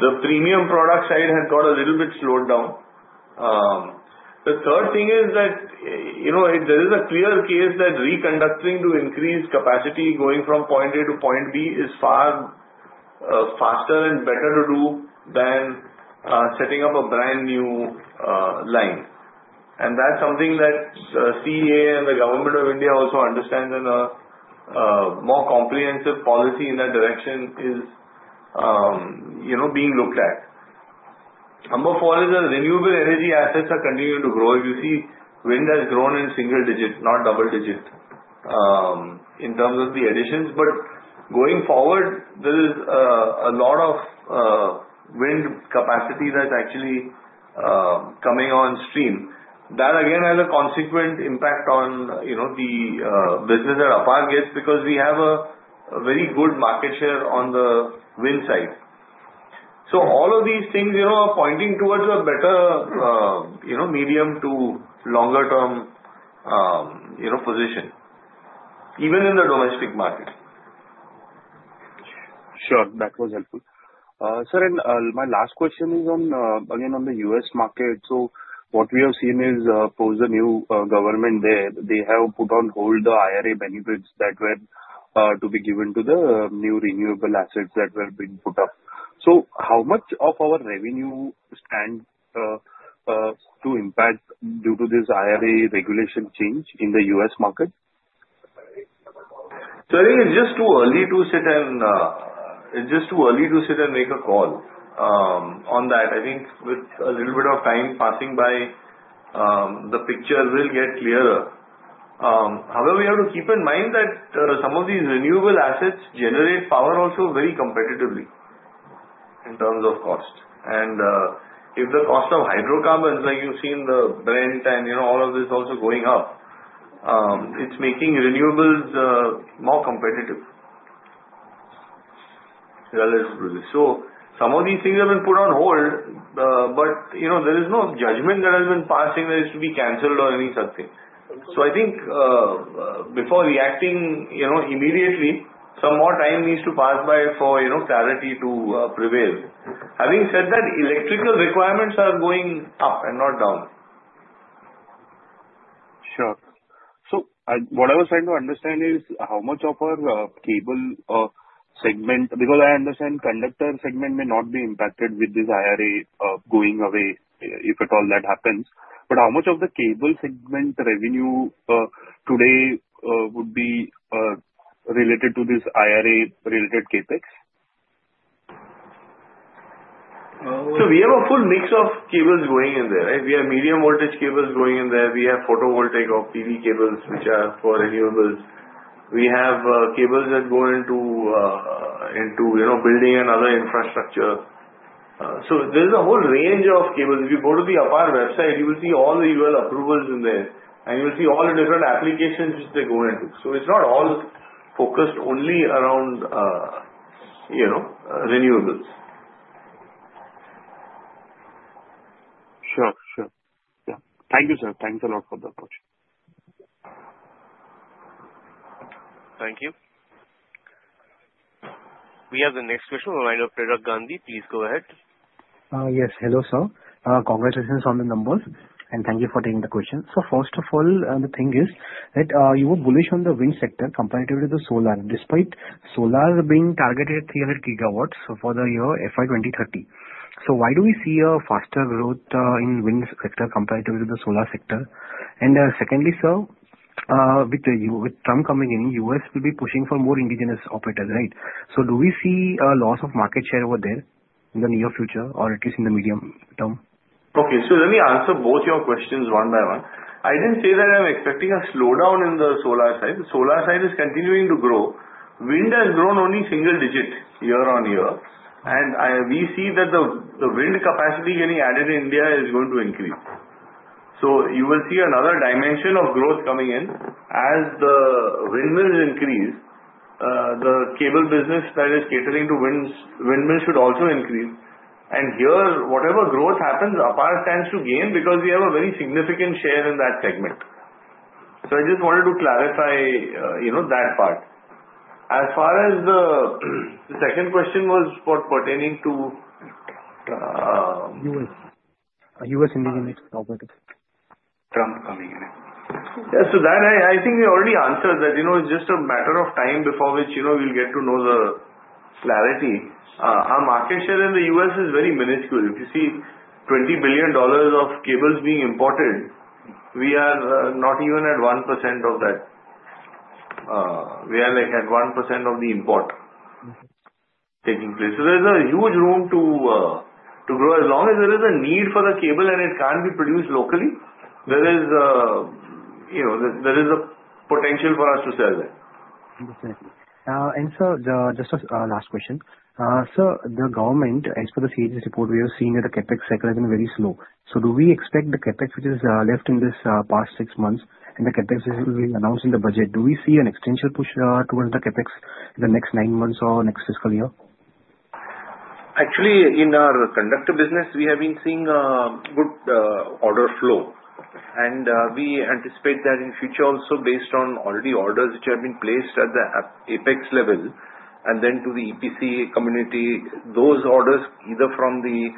So the premium product side has got a little bit slowed down. The third thing is that there is a clear case that re-conductoring to increase capacity going from point A to point B is far faster and better to do than setting up a brand new line. And that's something that the CEA and the Government of India also understands and a more comprehensive policy in that direction is being looked at. Number four is that renewable energy assets are continuing to grow. You see wind has grown in single digit, not double digit in terms of the additions. But going forward, there is a lot of wind capacity that's actually coming on stream. That, again, has a consequent impact on the business that APAR gets because we have a very good market share on the wind side. So all of these things are pointing towards a better medium to longer-term position, even in the domestic market. Sure. That was helpful. Sir, and my last question is again on the U.S. market. So what we have seen is post the new government there, they have put on hold the IRA benefits that were to be given to the new renewable assets that were being put up. So how much of our revenue stands to impact due to this IRA regulation change in the U.S. market? Sir, I think it's just too early to sit and make a call on that. I think with a little bit of time passing by, the picture will get clearer. However, we have to keep in mind that some of these renewable assets generate power also very competitively in terms of cost. And if the cost of hydrocarbons, like you've seen the Brent and all of this also going up, it's making renewables more competitive. So some of these things have been put on hold, but there is no judgment that has been passing that it should be canceled or any such thing. So I think before reacting immediately, some more time needs to pass by for clarity to prevail. Having said that, electrical requirements are going up and not down. Sure. So what I was trying to understand is how much of our cable segment because I understand conductor segment may not be impacted with this IRA going away if at all that happens. But how much of the cable segment revenue today would be related to this IRA-related CapEx? So we have a full mix of cables going in there, right? We have medium voltage cables going in there. We have photovoltaic or PV cables, which are for renewables. We have cables that go into building and other infrastructure. So there's a whole range of cables. If you go to the APAR website, you will see all the UL approvals in there. And you will see all the different applications which they go into. So it's not all focused only around renewables. Sure. Sure. Yeah. Thank you, sir. Thanks a lot for the question. Thank you. We have the next question on the line of Prerak Gandhi. Please go ahead. Yes. Hello, sir. Congratulations on the numbers. And thank you for taking the question. So first of all, the thing is that you were bullish on the wind sector comparative to the solar, despite solar being targeted at 300 GWs for the year FY 2030. So why do we see a faster growth in wind sector comparative to the solar sector? And secondly, sir, with Trump coming in, U.S. will be pushing for more indigenous operators, right? So do we see a loss of market share over there in the near future, or at least in the medium term? Okay. So let me answer both your questions one by one. I didn't say that I'm expecting a slowdown in the solar side. The solar side is continuing to grow. Wind has grown only single digit year on year. And we see that the wind capacity getting added in India is going to increase. So you will see another dimension of growth coming in. As the windmills increase, the cable business that is catering to windmills should also increase. And here, whatever growth happens, APAR tends to gain because we have a very significant share in that segment. So I just wanted to clarify that part. As far as the second question was pertaining to? U.S. indigenous operators. Trump coming in. Yeah. So that, I think we already answered that it's just a matter of time before which we'll get to know the clarity. Our market share in the U.S. is very minuscule. If you see $20 billion of cables being imported, we are not even at 1% of that. We are at 1% of the import taking place. So there's a huge room to grow. As long as there is a need for the cable and it can't be produced locally, there is a potential for us to sell there. Understood. And sir, just a last question. Sir, the government, as per the CAG report, we have seen that the CapEx cycle has been very slow. So do we expect the CapEx, which is left in this past six months, and the CapEx which will be announced in the budget, do we see an extension push towards the CapEx in the next nine months or next fiscal year? Actually, in our conductor business, we have been seeing good order flow. And we anticipate that in future also based on already orders which have been placed at the apex level and then to the EPC community. Those orders, either from the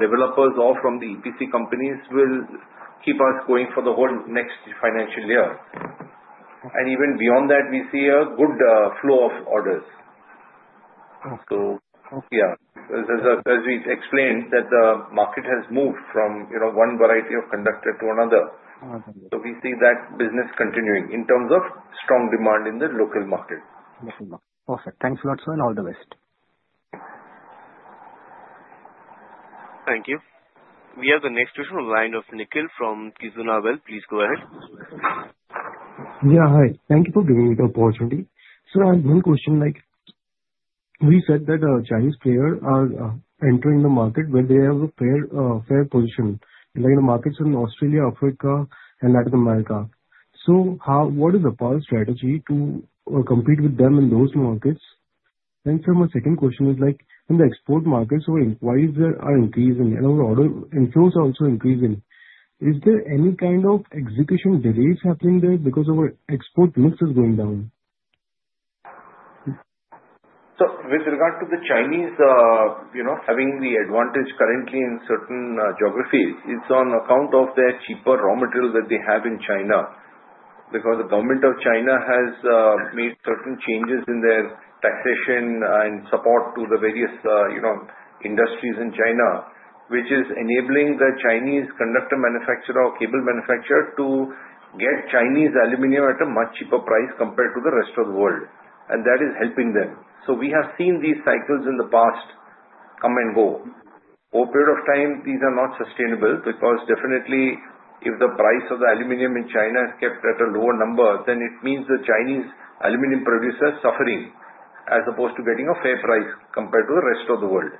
developers or from the EPC companies, will keep us going for the whole next financial year. And even beyond that, we see a good flow of orders. So yeah, as we explained, that the market has moved from one variety of conductor to another. So we see that business continuing in terms of strong demand in the local market. Perfect. Thanks a lot, sir, and all the best. Thank you. We have the next question on the line of Nikhil from Kizuna Wealth. Please go ahead. Yeah. Hi. Thank you for giving me the opportunity. Sir, I have one question. We said that Chinese players are entering the market where they have a fair position, like the markets in Australia, Africa, and Latin America. So what is APAR's strategy to compete with them in those markets? And sir, my second question is, in the export markets, our inquiries are increasing, and our order inflows are also increasing. Is there any kind of execution delays happening there because our export mix is going down? With regard to the Chinese having the advantage currently in certain geographies, it's on account of their cheaper raw materials that they have in China because the government of China has made certain changes in their taxation and support to the various industries in China, which is enabling the Chinese conductor manufacturer or cable manufacturer to get Chinese aluminum at a much cheaper price compared to the rest of the world. And that is helping them. So we have seen these cycles in the past come and go. Over a period of time, these are not sustainable because definitely, if the price of the aluminum in China is kept at a lower number, then it means the Chinese aluminum producer is suffering as opposed to getting a fair price compared to the rest of the world.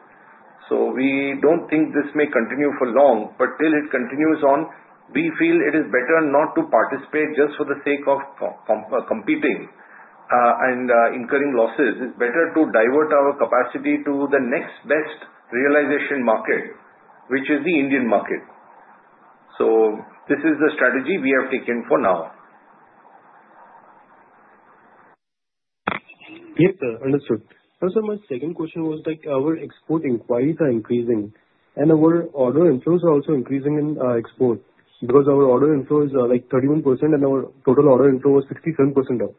So we don't think this may continue for long, but till it continues on, we feel it is better not to participate just for the sake of competing and incurring losses. It's better to divert our capacity to the next best realization market, which is the Indian market. So this is the strategy we have taken for now. Yes, sir. Understood. Sir, my second question was, our export inquiries are increasing, and our order inflows are also increasing in export because our order inflows are like 31%, and our total order inflow was 67% up.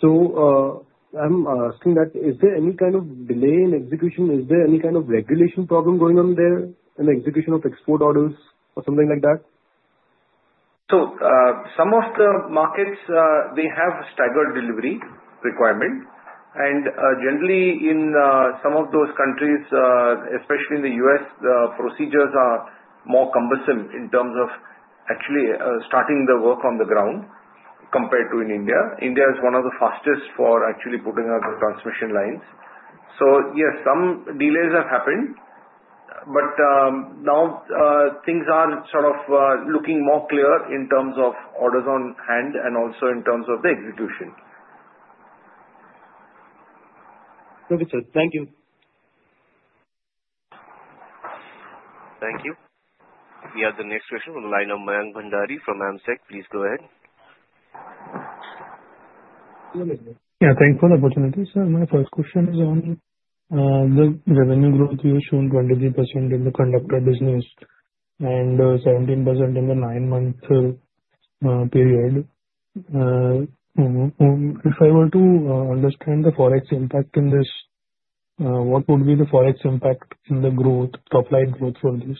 So I'm asking that, is there any kind of delay in execution? Is there any kind of regulation problem going on there in the execution of export orders or something like that? So some of the markets, they have staggered delivery requirement. And generally, in some of those countries, especially in the U.S., the procedures are more cumbersome in terms of actually starting the work on the ground compared to in India. India is one of the fastest for actually putting out the transmission lines. So yes, some delays have happened. But now things are sort of looking more clear in terms of orders on hand and also in terms of the execution. Okay, sir. Thank you. Thank you. We have the next question on the line of Mayank Bhandari from AMSEC. Please go ahead. Yeah. Thanks for the opportunity, sir. My first question is on the revenue growth. You have shown 23% in the conductor business and 17% in the nine-month period. If I were to understand the forex impact in this, what would be the forex impact in the growth, top-line growth for this?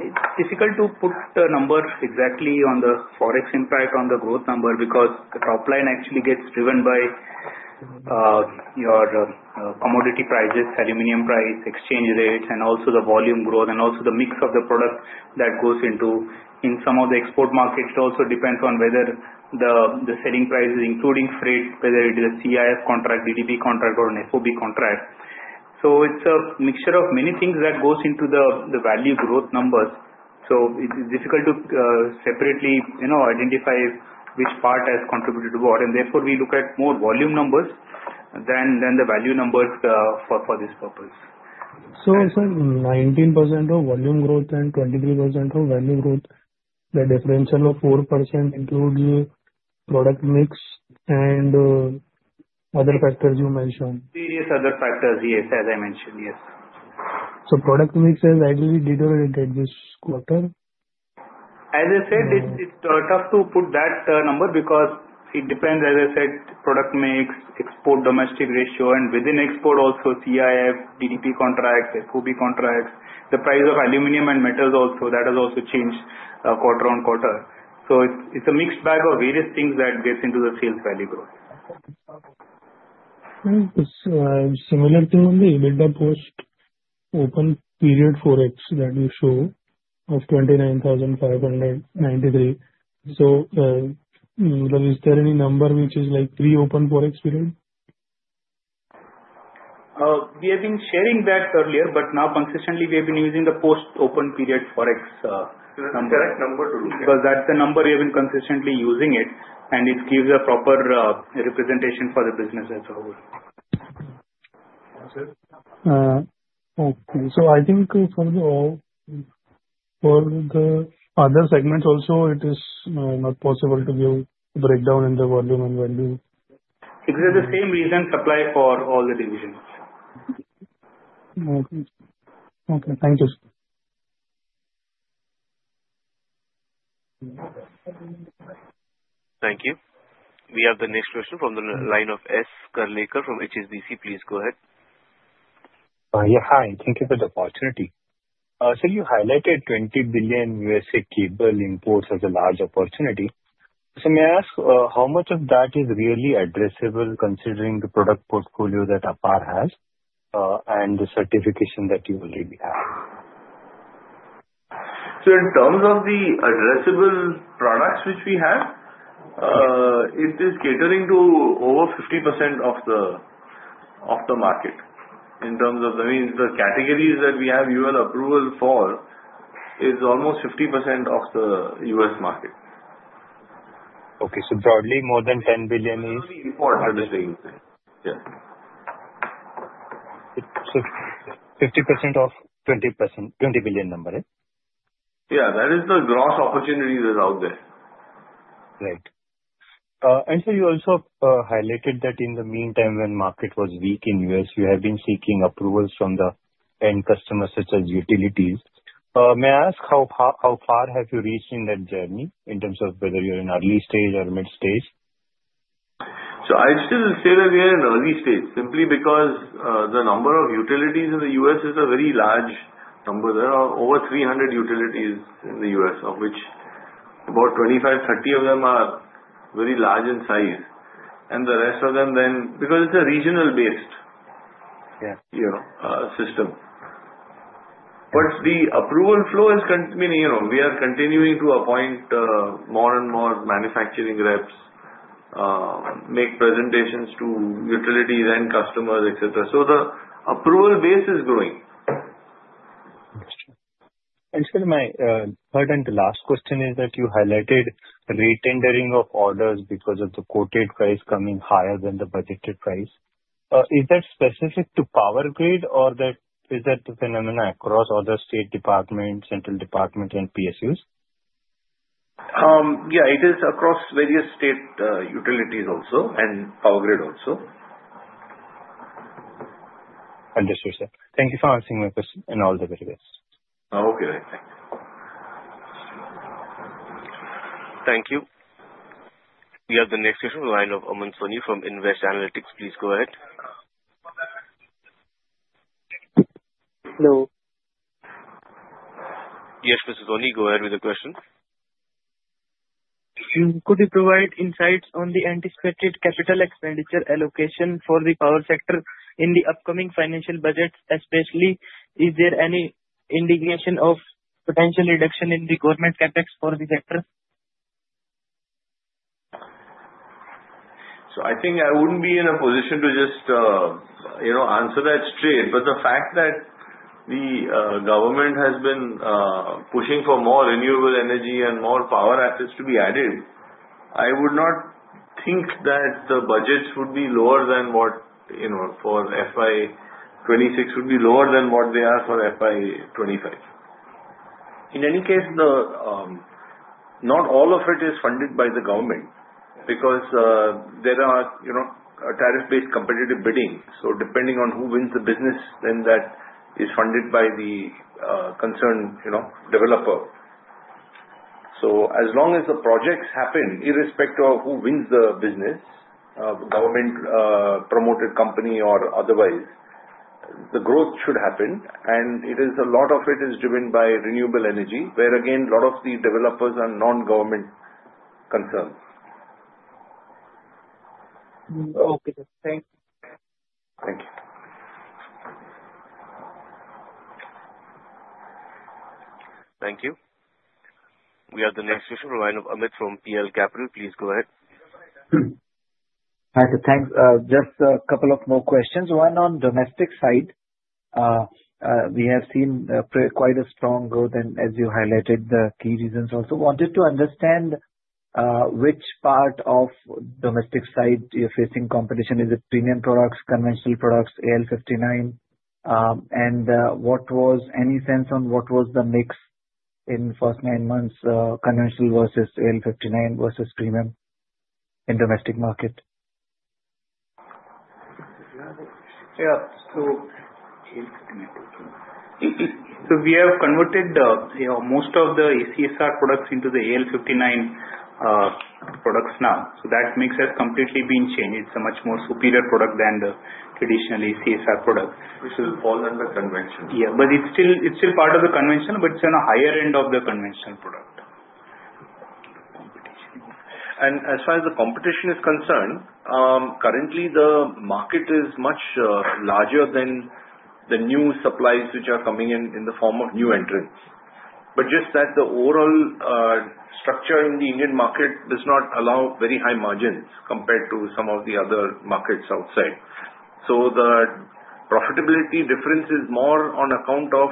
It's difficult to put numbers exactly on the forex impact on the growth number because the top-line actually gets driven by your commodity prices, aluminum price, exchange rates, and also the volume growth, and also the mix of the product that goes into. In some of the export markets, it also depends on whether the selling price is including freight, whether it is a CIF contract, DDP contract, or an FOB contract. So it's a mixture of many things that goes into the value growth numbers. So it is difficult to separately identify which part has contributed to what. And therefore, we look at more volume numbers than the value numbers for this purpose. So sir, 19% of volume growth and 23% of value growth, the differential of 4% includes product mix and other factors you mentioned. Various other factors, yes, as I mentioned, yes. So, product mix has ideally deteriorated this quarter? As I said, it's tough to put that number because it depends, as I said, product mix, export-domestic ratio, and within export, also CIF, DDP contracts, FOB contracts. The price of aluminum and metals also, that has also changed quarter on quarter. So it's a mixed bag of various things that gets into the sales value growth. Similar to the EBITDA post open period forex that you show of 29,593. So is there any number which is like pre-open forex period? We have been sharing that earlier, but now consistently, we have been using the post-open period forex number. It's the correct number to look at. Because that's the number we have been consistently using it, and it gives a proper representation for the business as well. Okay. So I think for the other segments also, it is not possible to give breakdown in the volume and value. Because the same reason applies for all the divisions. Okay. Okay. Thank you, sir. Thank you. We have the next question from the line of S Karlekar from HSBC. Please go ahead. Yeah. Hi. Thank you for the opportunity. Sir, you highlighted $20 billion U.S. cable imports as a large opportunity. So may I ask how much of that is really addressable considering the product portfolio that APAR has and the certification that you already have? So in terms of the addressable products which we have, it is catering to over 50% of the market. In terms of the means, the categories that we have UL approval for is almost 50% of the U.S. market. Okay. So broadly, more than $10 billion is? 50% of $20 billion number, right? Yeah. That is the gross opportunities that are out there. Right. And sir, you also highlighted that in the meantime, when the market was weak in the U.S., you have been seeking approvals from the end customers such as utilities. May I ask how far have you reached in that journey in terms of whether you're in early stage or mid stage? So I'd still say that we are in early stage simply because the number of utilities in the U.S. is a very large number. There are over 300 utilities in the U.S., of which about 25-30 of them are very large in size. And the rest of them then, because it's a regional-based system. But the approval flow is continuing. We are continuing to appoint more and more manufacturing reps, make presentations to utilities and customers, etc. So the approval base is growing. Sir, my third and last question is that you highlighted rate tendering of orders because of the quoted price coming higher than the budgeted price. Is that specific to Power Grid, or is that a phenomenon across other state departments, central departments, and PSUs? Yeah. It is across various state utilities also and Power Grid also. Understood, sir. Thank you for answering my question in all the various ways. Okay. Thank you. Thank you. We have the next question from the line of Aman Soni from Nvest Analytics. Please go ahead. Hello. Yes, Mr. Soni, go ahead with the question. Could you provide insights on the anticipated capital expenditure allocation for the power sector in the upcoming financial budgets, especially? Is there any indication of potential reduction in the government CapEx for the sector? I think I wouldn't be in a position to just answer that straight. But the fact that the government has been pushing for more renewable energy and more power assets to be added, I would not think that the budgets would be lower than what for FY 2026 would be lower than what they are for FY 2025. In any case, not all of it is funded by the government because there are tariff-based competitive bidding. So depending on who wins the business, then that is funded by the concerned developer. So as long as the projects happen, irrespective of who wins the business, government-promoted company or otherwise, the growth should happen. And a lot of it is driven by renewable energy, where again, a lot of the developers are non-government concerned. Okay. Thank you. Thank you. Thank you. We have the next question from the line of Amit from PL Capital. Please go ahead. Thanks. Just a couple of more questions. One on domestic side. We have seen quite a strong growth, and as you highlighted, the key reasons also. Wanted to understand which part of domestic side you're facing competition. Is it premium products, conventional products, AL59? And any sense on what was the mix in the first nine months, conventional versus AL59 versus premium in the domestic market? Yeah. So we have converted most of the ACSR products into the AL59 products now. So that mix has completely been changed. It's a much more superior product than the traditional ACSR product. This is all under conventional. Yeah. But it's still part of the conventional, but it's on the higher end of the conventional product. And as far as the competition is concerned, currently, the market is much larger than the new supplies which are coming in in the form of new entrants. But just that the overall structure in the Indian market does not allow very high margins compared to some of the other markets outside. So the profitability difference is more on account of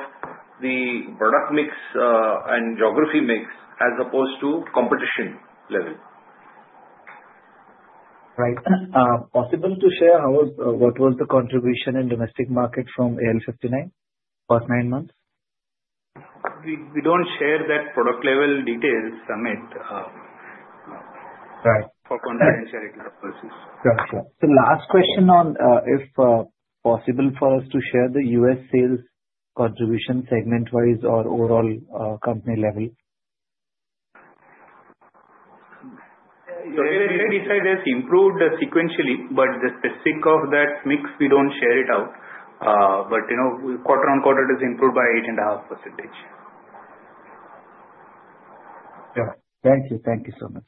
the product mix and geography mix as opposed to competition level. Right. Possible to share what was the contribution in the domestic market from AL59 for nine months? We don't share that product-level details, Amit, for confidentiality purposes. Gotcha. So last question on if possible for us to share the U.S. sales contribution segment-wise or overall company level. We decided to improve the sequentially, but the specific of that mix, we don't share it out. But quarter on quarter, it is improved by 8.5%. Yeah. Thank you. Thank you so much.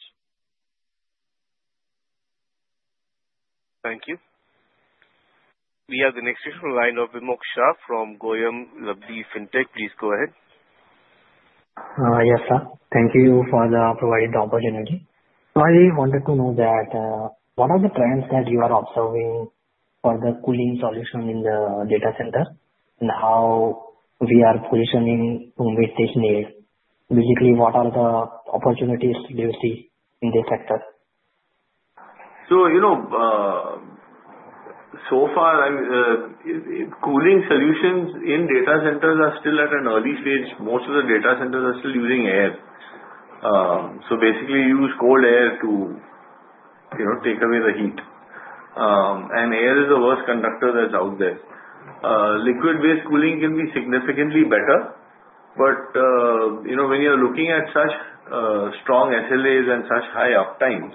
Thank you. We have the next question from the line of Vimox Shah from GoyamLabdhi Fintech. Please go ahead. Yes, sir. Thank you for the provided opportunity. So I wanted to know that what are the trends that you are observing for the cooling solution in the data center and how we are positioning to meet this need? Basically, what are the opportunities you see in this sector? So far, cooling solutions in data centers are still at an early stage. Most of the data centers are still using air. So basically, use cold air to take away the heat. And air is the worst conductor that's out there. Liquid-based cooling can be significantly better. But when you're looking at such strong SLAs and such high uptime,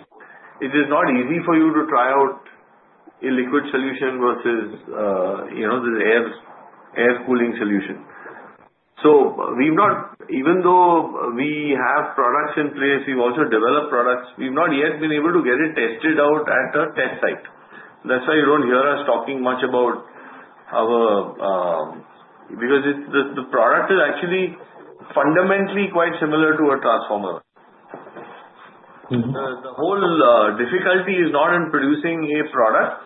it is not easy for you to try out a liquid solution versus the air cooling solution. So even though we have products in place, we've also developed products, we've not yet been able to get it tested out at a test site. That's why you don't hear us talking much about our because the product is actually fundamentally quite similar to a transformer. The whole difficulty is not in producing a product,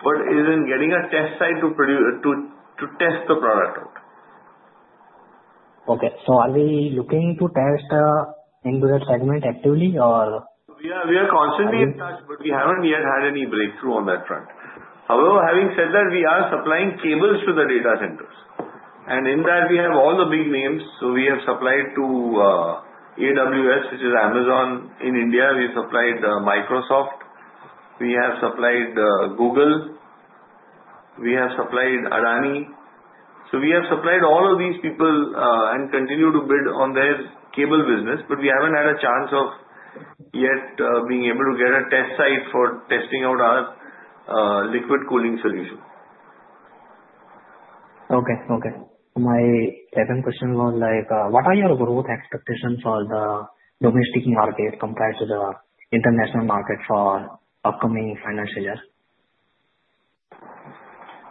but is in getting a test site to test the product out. Okay. So are they looking to test into that segment actively, or? We are constantly in touch, but we haven't yet had any breakthrough on that front. However, having said that, we are supplying cables to the data centers. And in that, we have all the big names. So we have supplied to AWS, which is Amazon in India. We have supplied Microsoft. We have supplied Google. We have supplied Adani. So we have supplied all of these people and continue to bid on their cable business. But we haven't had a chance of yet being able to get a test site for testing out our liquid cooling solution. Okay. Okay. My second question was like, what are your growth expectations for the domestic market compared to the international market for the upcoming financial year?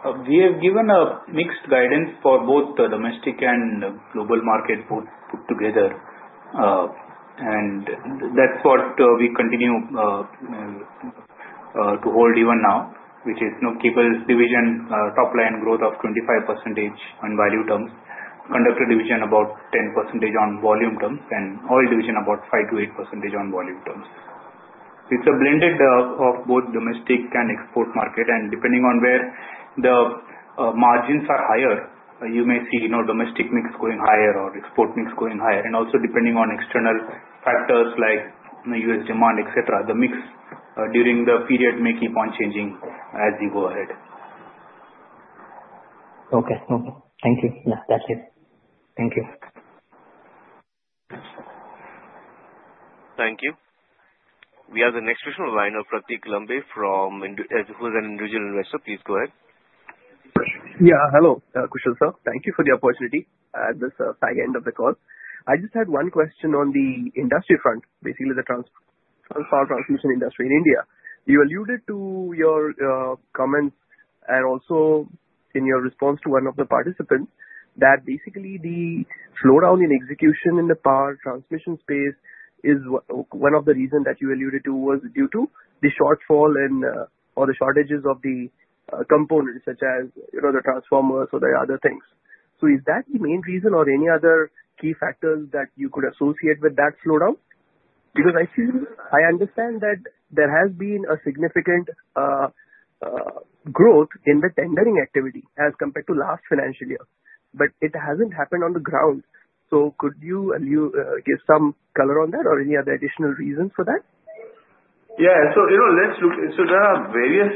We have given a mixed guidance for both the domestic and global market put together. And that's what we continue to hold even now, which is cable division top-line growth of 25% on value terms, conductor division about 10% on volume terms, and oil division about 5%-8% on volume terms. It's a blended of both domestic and export market. And depending on where the margins are higher, you may see domestic mix going higher or export mix going higher. And also, depending on external factors like U.S. demand, etc., the mix during the period may keep on changing as you go ahead. Okay. Okay. Thank you. Yeah. That's it. Thank you. Thank you. We have the next question from the line of Pratik Lambe, who is an individual investor. Please go ahead. Yeah. Hello, Kushal sir. Thank you for the opportunity at this end of the call. I just had one question on the industry front, basically the power transmission industry in India. You alluded to your comments and also in your response to one of the participants that basically the slowdown in execution in the power transmission space is one of the reasons that you alluded to was due to the shortfall or the shortages of the components such as the transformers or the other things. So is that the main reason or any other key factors that you could associate with that slowdown? Because I understand that there has been a significant growth in the tendering activity as compared to last financial year, but it hasn't happened on the ground. So could you give some color on that or any other additional reasons for that? Yeah. So let's look. So there are various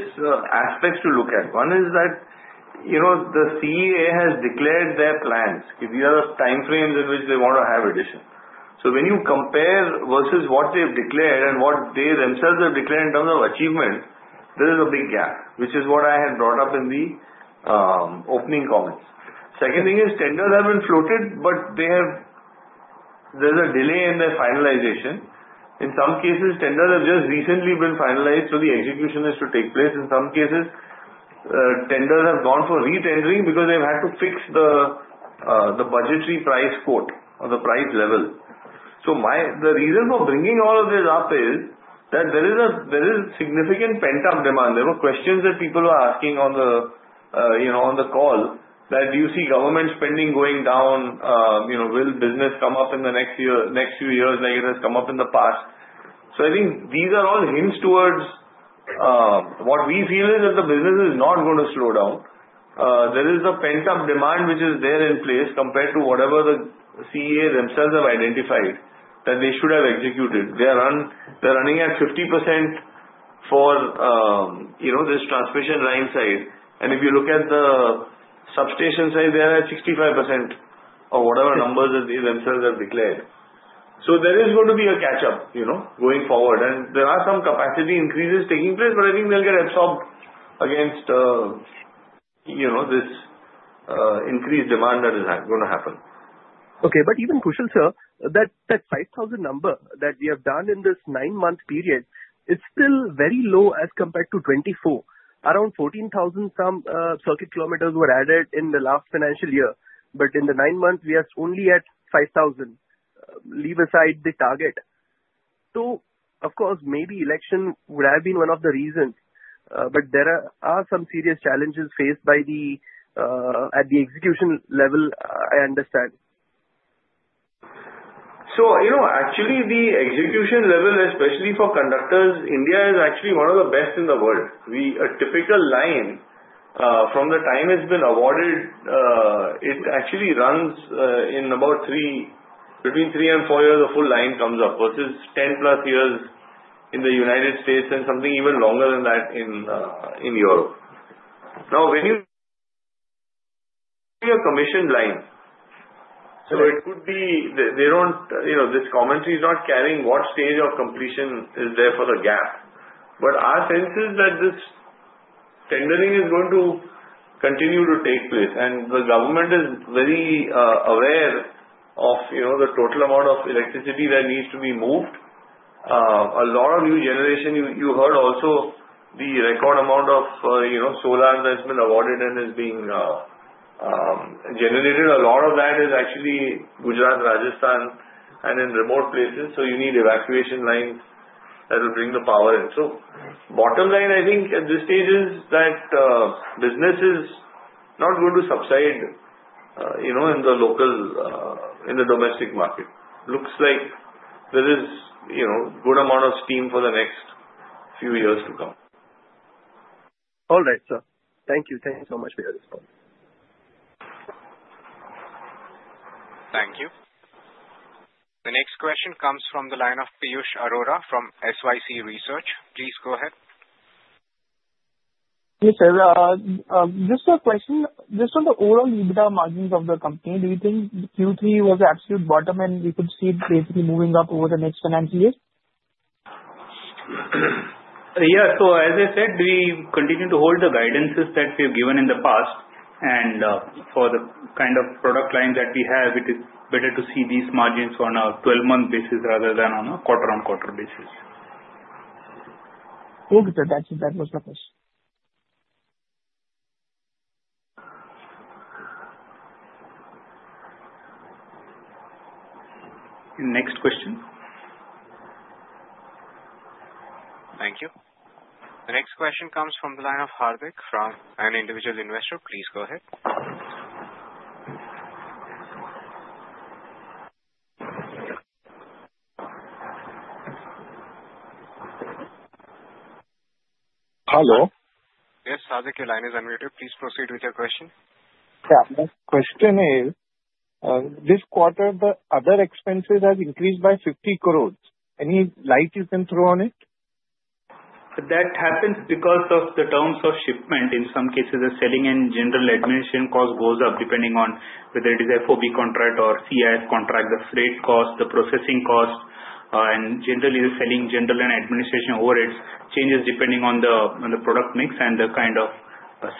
aspects to look at. One is that the CEA has declared their plans. These are the time frames in which they want to have addition. So when you compare versus what they've declared and what they themselves have declared in terms of achievement, there is a big gap, which is what I had brought up in the opening comments. Second thing is tenders have been floated, but there's a delay in their finalization. In some cases, tenders have just recently been finalized, so the execution is to take place. In some cases, tenders have gone for retendering because they've had to fix the budgetary price quote or the price level. So the reason for bringing all of this up is that there is significant pent-up demand. There were questions that people were asking on the call that, "Do you see government spending going down? Will business come up in the next few years like it has come up in the past?" So I think these are all hints towards what we feel is that the business is not going to slow down. There is the pent-up demand which is there in place compared to whatever the CEA themselves have identified that they should have executed. They're running at 50% for this transmission line side. And if you look at the substation side, they're at 65% or whatever numbers that they themselves have declared. So there is going to be a catch-up going forward. And there are some capacity increases taking place, but I think they'll get absorbed against this increased demand that is going to happen. Okay. But even Kushal sir, that 5,000 number that we have done in this nine-month period, it's still very low as compared to 2024. Around 14,000 some circuit kilometers were added in the last financial year. But in the nine months, we are only at 5,000, leave aside the target. So of course, maybe election would have been one of the reasons, but there are some serious challenges faced at the execution level, I understand. So actually, the execution level, especially for conductors, India is actually one of the best in the world. A typical line from the time it's been awarded. It actually runs in about three to four years. A full line comes up versus 10+ years in the United States and something even longer than that in Europe. Now, when you see a commissioned line, so it could be they don't. This commentary is not carrying what stage of completion is there for the gap. But our sense is that this tendering is going to continue to take place, and the government is very aware of the total amount of electricity that needs to be moved. A lot of new generation. You heard also the record amount of solar that's been awarded and is being generated. A lot of that is actually Gujarat, Rajasthan, and in remote places, so you need evacuation lines that will bring the power in. So bottom line, I think at this stage is that business is not going to subside in the domestic market. Looks like there is a good amount of steam for the next few years to come. All right, sir. Thank you. Thank you so much for your response. Thank you. The next question comes from the line of Piyush Arora from SYC Research. Please go ahead. Yes, sir. Just a question. Just on the overall EBITDA margins of the company, do you think Q3 was the absolute bottom and we could see it basically moving up over the next financial year? Yeah. So as I said, we continue to hold the guidances that we have given in the past. And for the kind of product line that we have, it is better to see these margins on a 12-month basis rather than on a quarter-on-quarter basis. Okay, sir. That was my question. Next question. Thank you. The next question comes from the line of Hardik from an individual investor. Please go ahead. Hello. Yes, Hardik, your line is unmuted. Please proceed with your question. Yeah. My question is, this quarter, the other expenses have increased by 50 crores. Any light you can throw on it? That happens because of the terms of shipment. In some cases, the selling and general administration cost goes up depending on whether it is FOB contract or CIF contract, the freight cost, the processing cost. And generally, the selling, general, and administration overrides changes depending on the product mix and the kind of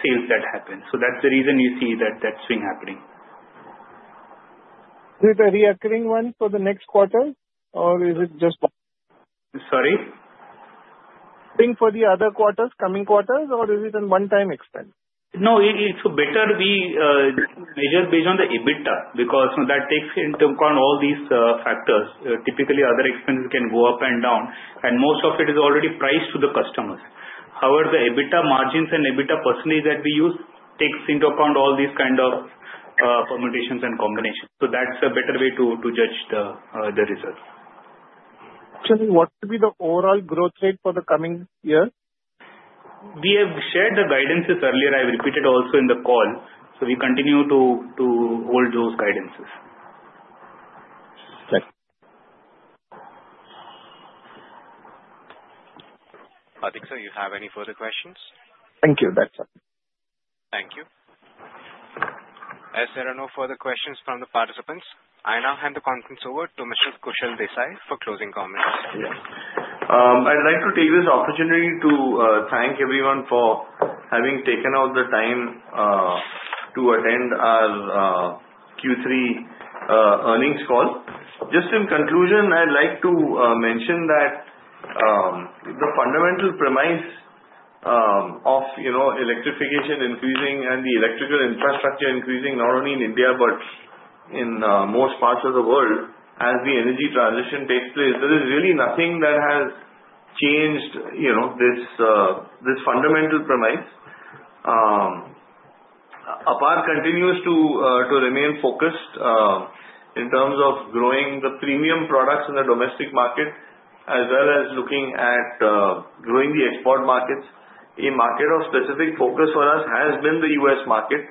sales that happen. So that's the reason you see that swing happening. Is it a recurring one for the next quarter, or is it just one? Sorry? Swing for the other quarters, coming quarters, or is it a one-time expense? No, it's better we measure based on the EBITDA because that takes into account all these factors. Typically, other expenses can go up and down, and most of it is already priced to the customers. However, the EBITDA margins and EBITDA percentage that we use takes into account all these kind of permutations and combinations, so that's a better way to judge the results. Actually, what would be the overall growth rate for the coming year? We have shared the guidances earlier. I've repeated also in the call, so we continue to hold those guidances. Hardik, sir, you have any further questions? Thank you. That's all. Thank you. As there are no further questions from the participants, I now hand the conference over to Mr. Kushal Desai for closing comments. I'd like to take this opportunity to thank everyone for having taken out the time to attend our Q3 earnings call. Just in conclusion, I'd like to mention that the fundamental premise of electrification increasing and the electrical infrastructure increasing not only in India but in most parts of the world as the energy transition takes place. There is really nothing that has changed this fundamental premise. APAR continues to remain focused in terms of growing the premium products in the domestic market as well as looking at growing the export markets. A market of specific focus for us has been the U.S. market,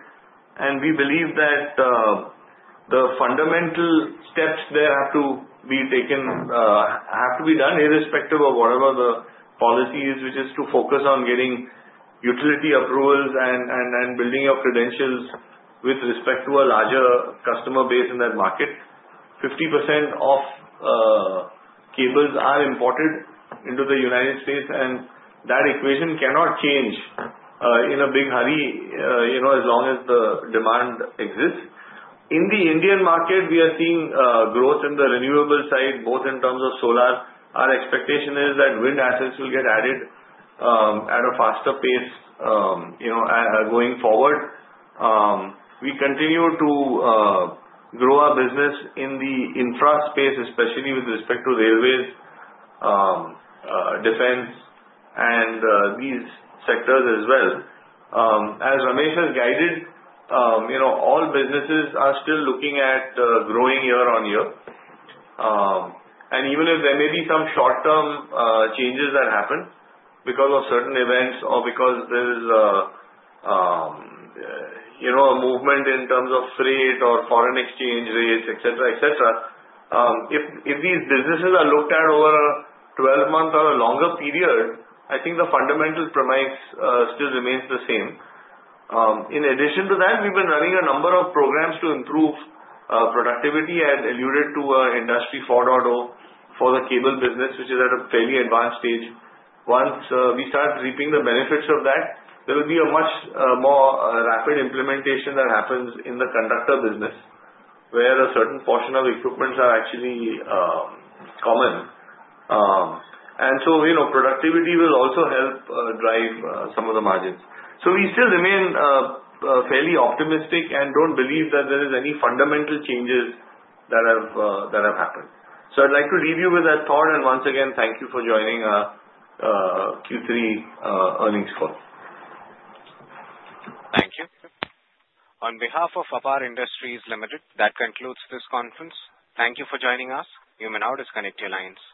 and we believe that the fundamental steps there have to be taken, have to be done irrespective of whatever the policy is, which is to focus on getting utility approvals and building your credentials with respect to a larger customer base in that market. 50% of cables are imported into the United States, and that equation cannot change in a big hurry as long as the demand exists. In the Indian market, we are seeing growth in the renewable side, both in terms of solar. Our expectation is that wind assets will get added at a faster pace going forward. We continue to grow our business in the infra space, especially with respect to railways, defense, and these sectors as well. As Ramesh has guided, all businesses are still looking at growing year on year, and even if there may be some short-term changes that happen because of certain events or because there is a movement in terms of freight or foreign exchange rates, etc., etc., if these businesses are looked at over a 12-month or a longer period, I think the fundamental premise still remains the same. In addition to that, we've been running a number of programs to improve productivity and alluded to Industry 4.0 for the cable business, which is at a fairly advanced stage. Once we start reaping the benefits of that, there will be a much more rapid implementation that happens in the conductor business where a certain portion of equipment is actually common. And so productivity will also help drive some of the margins. So we still remain fairly optimistic and don't believe that there are any fundamental changes that have happened. So I'd like to leave you with that thought. And once again, thank you for joining our Q3 earnings call. Thank you. On behalf of APAR Industries Limited, that concludes this conference. Thank you for joining us. You may now disconnect your lines.